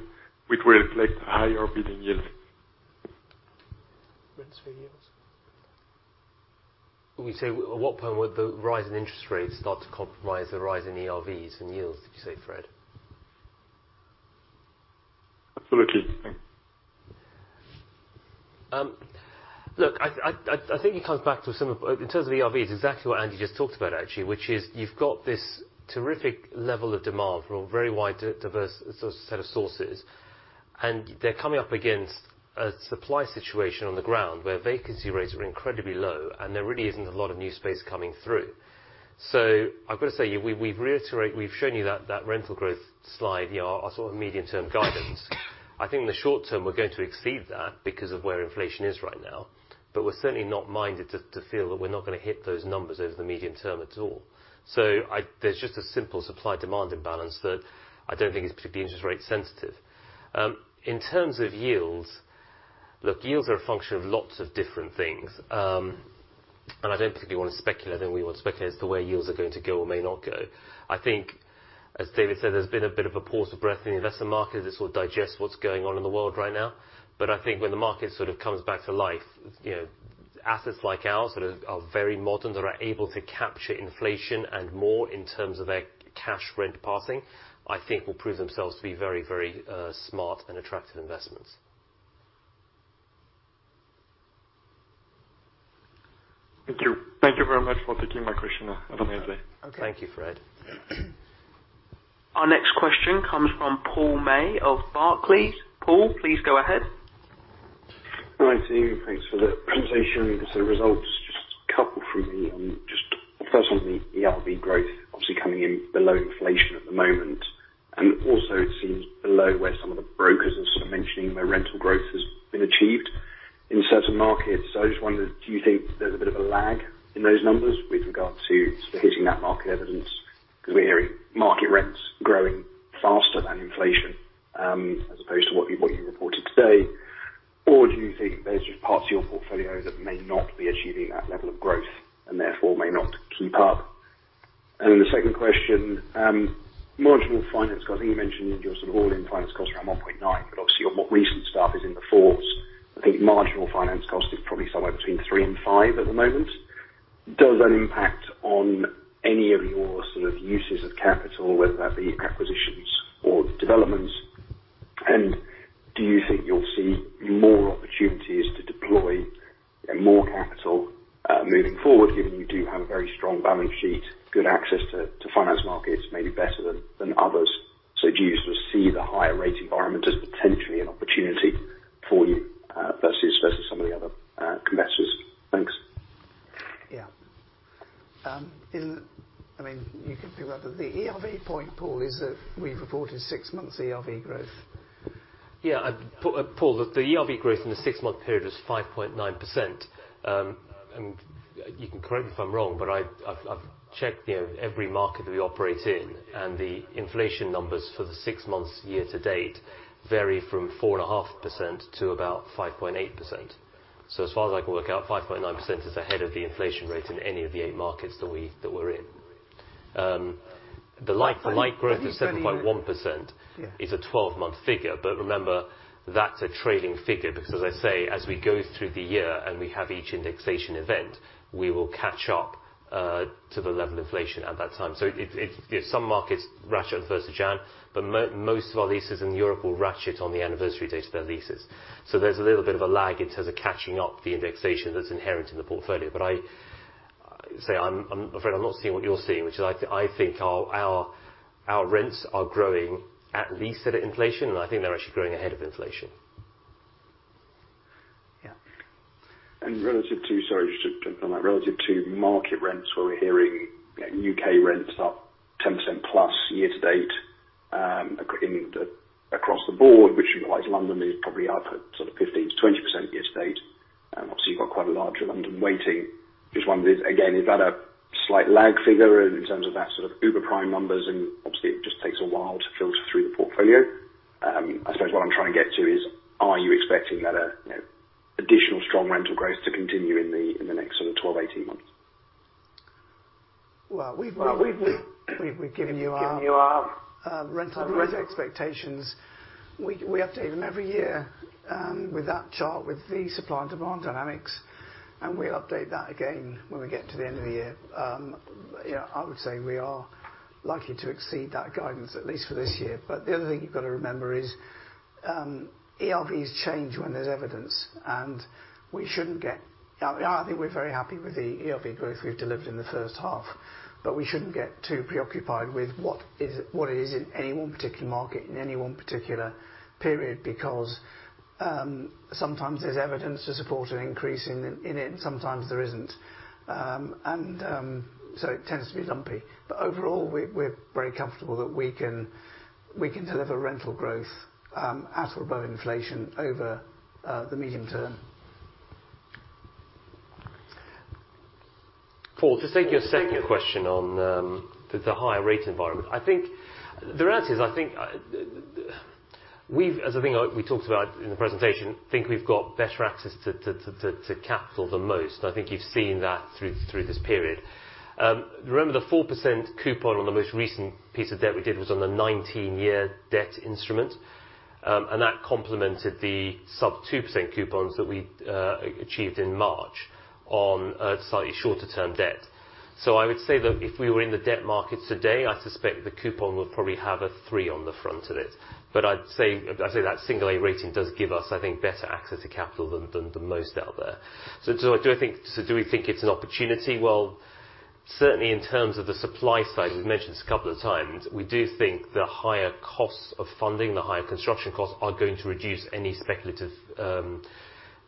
will reflect higher bidding yields? Rents for yields. What point would the rise in interest rates start to compromise the rise in ERVs and yields, did you say, Fred? Absolutely. In terms of ERV, it's exactly what Andy just talked about, actually, which is you've got this terrific level of demand from a very wide diverse sort of set of sources, and they're coming up against a supply situation on the ground where vacancy rates are incredibly low, and there really isn't a lot of new space coming through. I've got to say, we've shown you that rental growth slide, you know, our sort of medium-term guidance. I think in the short term, we're going to exceed that because of where inflation is right now, but we're certainly not minded to feel that we're not gonna hit those numbers over the medium term at all. There's just a simple supply-demand imbalance that I don't think is particularly interest rate sensitive. In terms of yields, look, yields are a function of lots of different things. I don't particularly wanna speculate, I don't think we want to speculate as to where yields are going to go or may not go. I think, as David said, there's been a bit of a pause for breath in the investment market as it sort of digests what's going on in the world right now. I think when the market sort of comes back to life, you know, assets like ours that are very modern, that are able to capture inflation and more in terms of their passing rent, I think will prove themselves to be very smart and attractive investments. Thank you. Thank you very much for taking my question. Have a nice day. Okay. Thank you, Fred. Our next question comes from Paul May of Barclays. Paul, please go ahead. Hi, team. Thanks for the presentation and the sort of results. Just a couple from me on just first on the ERV growth, obviously coming in below inflation at the moment, and also it seems below where some of the brokers are sort of mentioning their rental growth has been achieved in certain markets. I just wondered, do you think there's a bit of a lag in those numbers with regard to sort of hitting that market evidence? 'Cause we're hearing market rents growing faster than inflation, as opposed to what you reported today. Or do you think there's just parts of your portfolio that may not be achieving that level of growth and therefore may not keep up? Then the second question, marginal finance cost. I think you mentioned in your sort of all-in finance cost around 0.9%, but obviously on more recent stuff is in the fours. I think marginal finance cost is probably somewhere between 3%-5% at the moment. Does that impact on any of your sort of uses of capital, whether that be acquisitions or developments? And do you think you'll see more opportunities to deploy more capital, moving forward, given you do have a very strong balance sheet, good access to finance markets, maybe better than others? Do you sort of see the higher rate environment as potentially an opportunity for you, versus some of the other competitors? Thanks. Yeah. I mean, you can pick it up. The ERV point, Paul, is that we've reported six months ERV growth. Paul, the ERV growth in the six-month period is 5.9%. You can correct me if I'm wrong, but I've checked, you know, every market that we operate in, and the inflation numbers for the six months year to date vary from 4.5% to about 5.8%. As far as I can work out, 5.9% is ahead of the inflation rate in any of the eight markets that we're in. The like-for-like growth of 7.1%. Yeah. It is a 12-month figure. Remember, that's a trailing figure, because as I say, as we go through the year and we have each indexation event, we will catch up to the level of inflation at that time. So it. You know, some markets ratchet on first of January, but most of our leases in Europe will ratchet on the anniversary date of their leases. So there's a little bit of a lag in terms of catching up the indexation that's inherent in the portfolio. I say I'm afraid I'm not seeing what you're seeing, which I think our rents are growing at least at inflation, and I think they're actually growing ahead of inflation. Yeah. Relative to, sorry, just to confirm that, relative to market rents where we're hearing, you know, U.K. rents up 10%+ year to date, across the board, which you realize London is probably up at sort of 15%-20% year to date. Obviously you've got quite a large London weighting. Just wondered, again, is that a slight lag figure in terms of that sort of uber prime numbers, and obviously it just takes a while to filter through the portfolio? I suppose what I'm trying to get to is, are you expecting that, you know, additional strong rental growth to continue in the next sort of 12, 18 months? Well, we've given you our rental growth expectations. We update them every year with that chart with the supply and demand dynamics, and we update that again when we get to the end of the year. You know, I would say we are likely to exceed that guidance at least for this year. The other thing you've got to remember is ERVs change when there's evidence. Now, I think we're very happy with the ERV growth we've delivered in the first half, but we shouldn't get too preoccupied with what it is in any one particular market, in any one particular period because sometimes there's evidence to support an increase in it, and sometimes there isn't. It tends to be lumpy. Overall we're very comfortable that we can deliver rental growth at or above inflation over the medium term. Paul, just taking your second question on the higher rate environment. As I think we talked about in the presentation, we've got better access to capital than most. I think you've seen that through this period. Remember the 4% coupon on the most recent piece of debt we did was on the 19-year debt instrument, and that complemented the sub-2% coupons that we achieved in March on a slightly shorter term debt. I would say that if we were in the debt market today, I suspect the coupon would probably have a 3 on the front of it. I'd say that single A rating does give us, I think, better access to capital than the most out there. Do we think it's an opportunity? Well, certainly in terms of the supply side, we've mentioned this a couple of times, we do think the higher costs of funding, the higher construction costs are going to reduce any speculative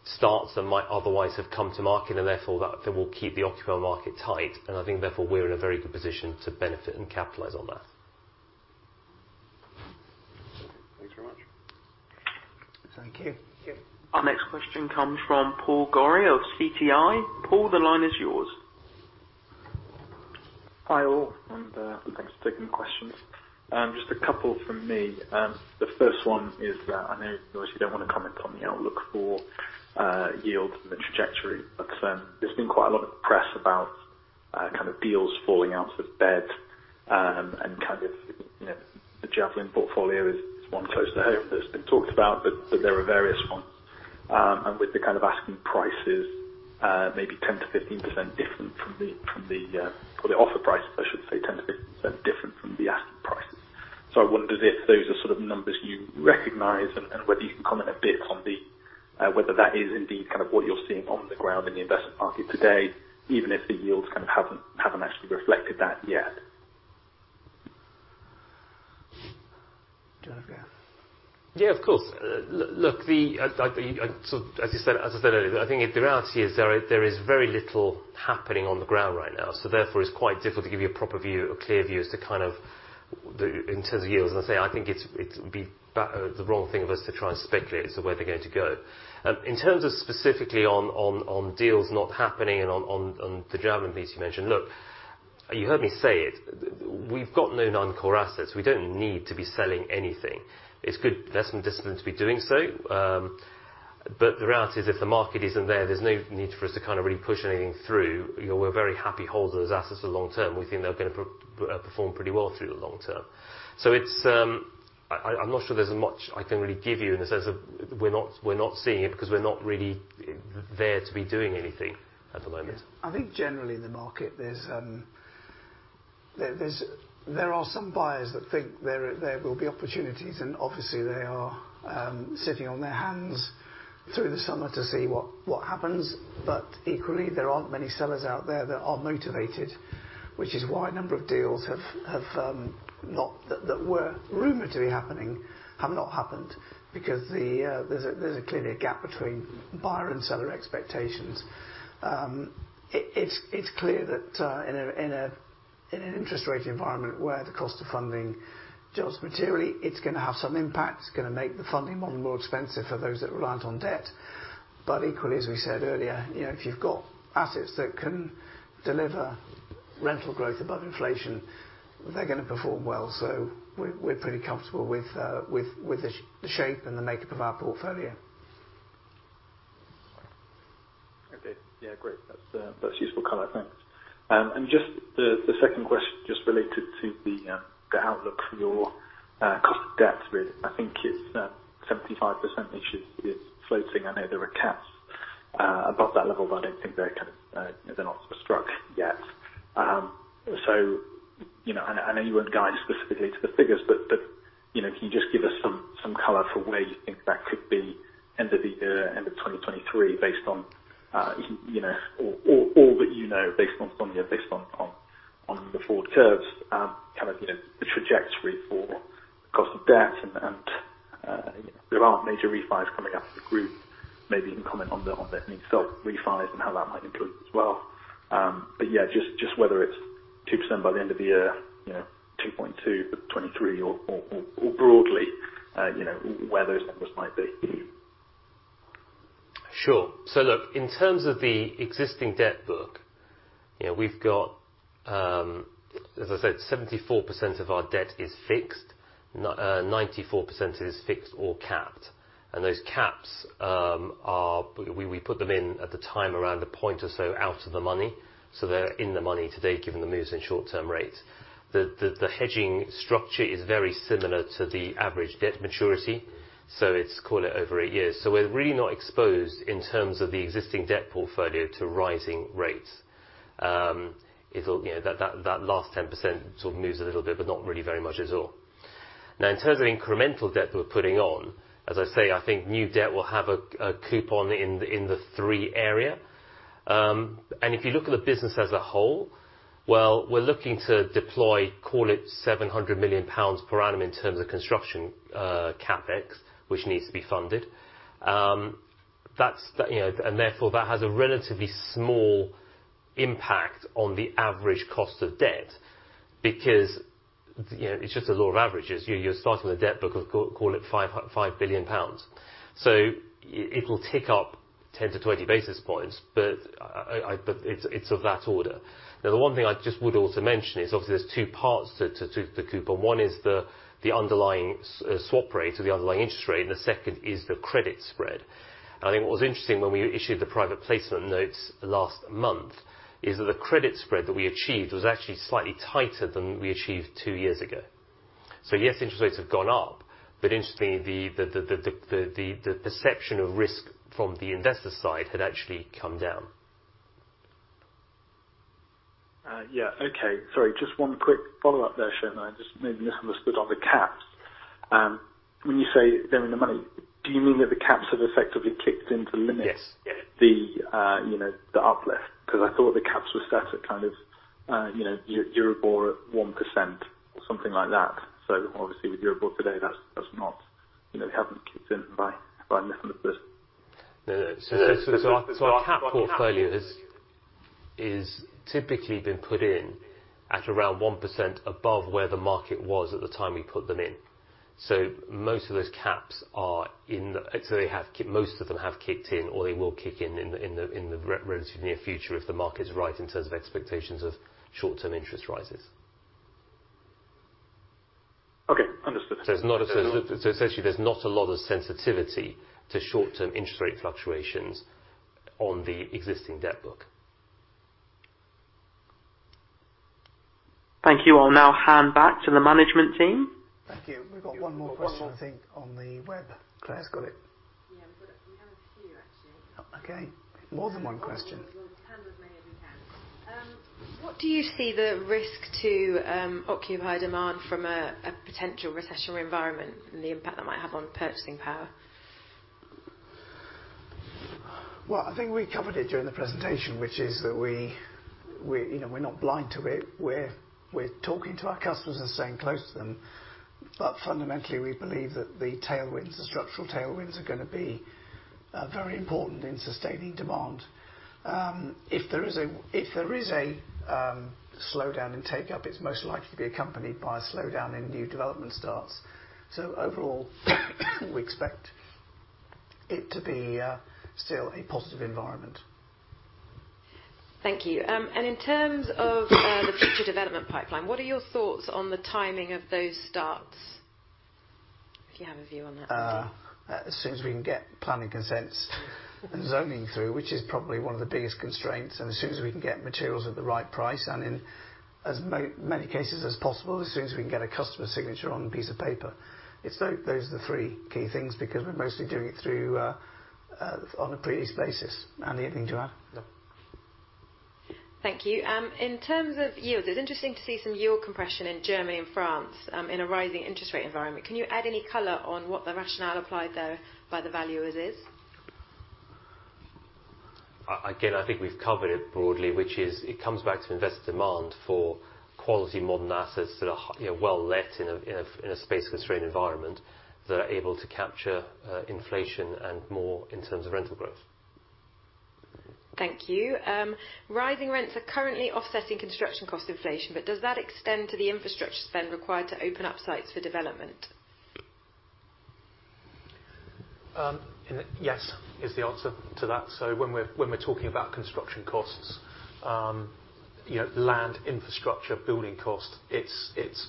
starts that might otherwise have come to market, and therefore, that will keep the occupier market tight. I think therefore, we're in a very good position to benefit and capitalize on that. Thanks very much. Thank you. Thank you. Our next question comes from Paul Sherlock of Citi. Paul, the line is yours. Hi, all. Thanks for taking the questions. Just a couple from me. The first one is, I know you obviously don't wanna comment on the outlook for yields and the trajectory, but there's been quite a lot of press about kind of deals falling out of bed, and kind of, you know, the Javelin portfolio is one close to home that's been talked about, but there are various ones. With the kind of asking prices, maybe 10%-15% different from the offer price, I should say, 10%-15% different from the asking prices. I wondered if those are sort of numbers you recognize and whether you can comment a bit on whether that is indeed kind of what you're seeing on the ground in the investment market today, even if the yields kind of haven't actually reflected that yet. Do you wanna go? Yeah, of course. Look, as you said, as I said earlier, I think the reality is there is very little happening on the ground right now. Therefore it's quite difficult to give you a proper view or clear view as to kind of the in terms of yields. I say I think it's, it would be the wrong thing of us to try and speculate as to where they're going to go. In terms of specifically on deals not happening and on the Javelin piece you mentioned. Look, you heard me say it, we've got no non-core assets. We don't need to be selling anything. It's good investment discipline to be doing so. The reality is if the market isn't there's no need for us to kind of really push anything through. You know, we're very happy to hold those assets for the long term. We think they're gonna perform pretty well through the long term. It's, I'm not sure there's much I can really give you in the sense of we're not seeing it because we're not really there to be doing anything at the moment. I think generally in the market there are some buyers that think there will be opportunities, and obviously they are sitting on their hands through the summer to see what happens. Equally, there aren't many sellers out there that are motivated, which is why a number of deals that were rumored to be happening have not happened because there's clearly a gap between buyer and seller expectations. It's clear that in an interest rate environment where the cost of funding drops materially, it's gonna have some impact. It's gonna make the funding model more expensive for those that are reliant on debt. Equally, as we said earlier, you know, if you've got assets that can deliver rental growth above inflation, they're gonna perform well. We're pretty comfortable with the shape and the makeup of our portfolio. Okay. Yeah, great. That's useful color. Thanks. Just the second question is related to the outlook for your cost of debt really. I think it's 75% of the issue is floating. I know there are caps above that level, but I don't think they're kind of not sort of struck yet. You know, I know you won't guide specifically to the figures, but you know, can you just give us some color for where you think that could be end of the year, end of 2023 based on you know, or all that you know based on funding or based on the forward curves, kind of you know, the trajectory for cost of debt and there aren't major refis coming up for the group. Maybe you can comment on the new stock refis and how that might improve as well. Yeah, just whether it's 2% by the end of the year, you know, 2.2 for 2023 or broadly, you know, where those numbers might be. Sure. Look, in terms of the existing debt book, you know, we've got, as I said, 74% of our debt is fixed. 94% is fixed or capped. Those caps are we put them in at the time around a point or so out of the money, so they're in the money today given the moves in short-term rates. The hedging structure is very similar to the average debt maturity, so it's call it over 8 years. We're really not exposed in terms of the existing debt portfolio to rising rates. It'll, you know, that last 10% sort of moves a little bit, but not really very much at all. Now, in terms of incremental debt we're putting on, as I say, I think new debt will have a coupon in the three area. If you look at the business as a whole, well, we're looking to deploy, call it 700 million pounds per annum in terms of construction CapEx, which needs to be funded. That's, you know, and therefore that has a relatively small impact on the average cost of debt because, you know, it's just the law of averages. You're starting with a debt book of call it 5 billion pounds. So it will tick up 10-20 basis points, but it's of that order. Now the one thing I just would also mention is obviously there's two parts to the coupon. One is the underlying swap rate or the underlying interest rate, and the second is the credit spread. I think what was interesting when we issued the private placement notes last month is that the credit spread that we achieved was actually slightly tighter than we achieved two years ago. Yes, interest rates have gone up, but interestingly, the perception of risk from the investor side had actually come down. Yeah, okay. Sorry, just one quick follow-up there, Soumen. I just maybe missed this, but on the caps. When you say they're in the money, do you mean that the caps have effectively kicked in to limit- Yes. Yeah The uplift? 'Cause I thought the caps were set at kind of, you know, Euribor at 1% or something like that. Obviously, with Euribor today, that's not, you know, they haven't kicked in by a million of this. No, no. Our cap portfolio is typically been put in at around 1% above where the market was at the time we put them in. Most of them have kicked in, or they will kick in the relatively near future if the market is right in terms of expectations of short-term interest rises. Okay. Understood. It's actually there's not a lot of sensitivity to short-term interest rate fluctuations on the existing debt book. Thank you. I'll now hand back to the management team. Thank you. We've got one more question, I think, on the web. Claire's got it. Yeah, we have a few actually. Oh, okay. More than one question. We'll handle as many as we can. What do you see the risk to occupier demand from a potential recessionary environment and the impact that might have on purchasing power? Well, I think we covered it during the presentation, which is that we, you know, we're not blind to it. We're talking to our customers and staying close to them. Fundamentally, we believe that the tailwinds, the structural tailwinds are gonna be very important in sustaining demand. If there is a slowdown in take-up, it's most likely to be accompanied by a slowdown in new development starts. Overall, we expect it to be still a positive environment. Thank you. In terms of the future development pipeline, what are your thoughts on the timing of those starts? If you have a view on that, Andy. As soon as we can get planning consents and zoning through, which is probably one of the biggest constraints. As soon as we can get materials at the right price and in as many cases as possible, as soon as we can get a customer signature on a piece of paper. Those are the three key things because we're mostly doing it through on a pre-let basis. Andy, anything to add? No. Thank you. In terms of yields, it's interesting to see some yield compression in Germany and France, in a rising interest rate environment. Can you add any color on what rationale applied there by the valuers? Again, I think we've covered it broadly, which is it comes back to investor demand for quality modern assets that are, you know, well located in a space-constrained environment that are able to capture inflation and more in terms of rental growth. Thank you. Rising rents are currently offsetting construction cost inflation, but does that extend to the infrastructure spend required to open up sites for development? Yes, is the answer to that. When we're talking about construction costs, you know, land, infrastructure, building cost, it's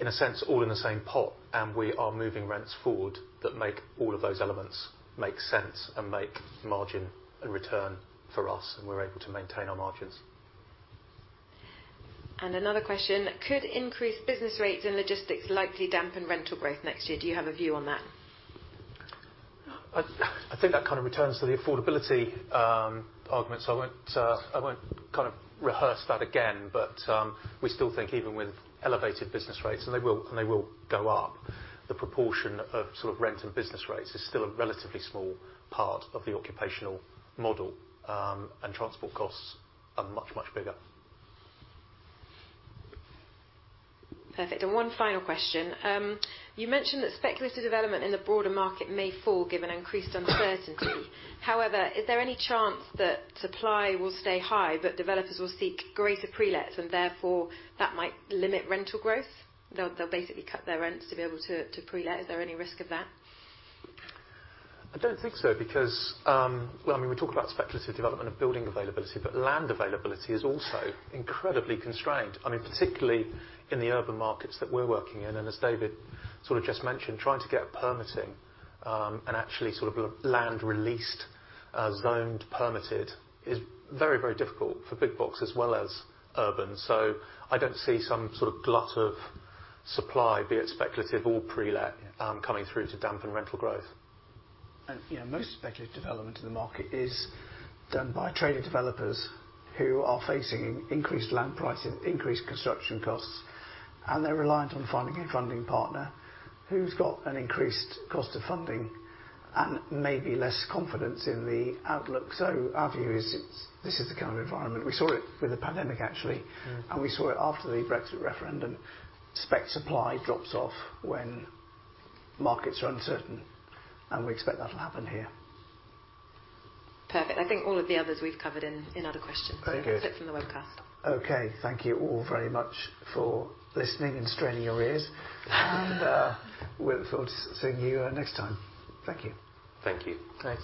in a sense all in the same pot, and we are moving rents forward that make all of those elements make sense and make margin and return for us, and we're able to maintain our margins. Another question. Could increased business rates and logistics likely dampen rental growth next year? Do you have a view on that? I think that kind of returns to the affordability argument, so I won't kind of rehearse that again. We still think even with elevated business rates, and they will go up, the proportion of sort of rent and business rates is still a relatively small part of the occupational model. Transport costs are much, much bigger. Perfect. One final question. You mentioned that speculative development in the broader market may fall given increased uncertainty. However, is there any chance that supply will stay high, but developers will seek greater pre-lets, and therefore that might limit rental growth? They'll basically cut their rents to be able to pre-let. Is there any risk of that? I don't think so because, well, I mean, we talk about speculative development and building availability, but land availability is also incredibly constrained. I mean, particularly in the urban markets that we're working in. As David sort of just mentioned, trying to get permitting, and actually sort of land released as zoned, permitted is very, very difficult for big box as well as urban. I don't see some sort of glut of supply, be it speculative or pre-let. Yeah Coming through to dampen rental growth. You know, most speculative development in the market is done by traded developers who are facing increased land prices, increased construction costs, and they're reliant on finding a funding partner who's got an increased cost of funding and maybe less confidence in the outlook. Our view is it's this kind of environment. We saw it with the pandemic actually. Mm-hmm. We saw it after the Brexit referendum. Spec supply drops off when markets are uncertain, and we expect that'll happen here. Perfect. I think all of the others we've covered in other questions. Very good. You can flip from the webcast. Okay. Thank you all very much for listening and straining your ears. We look forward to seeing you next time. Thank you. Thank you. Thanks.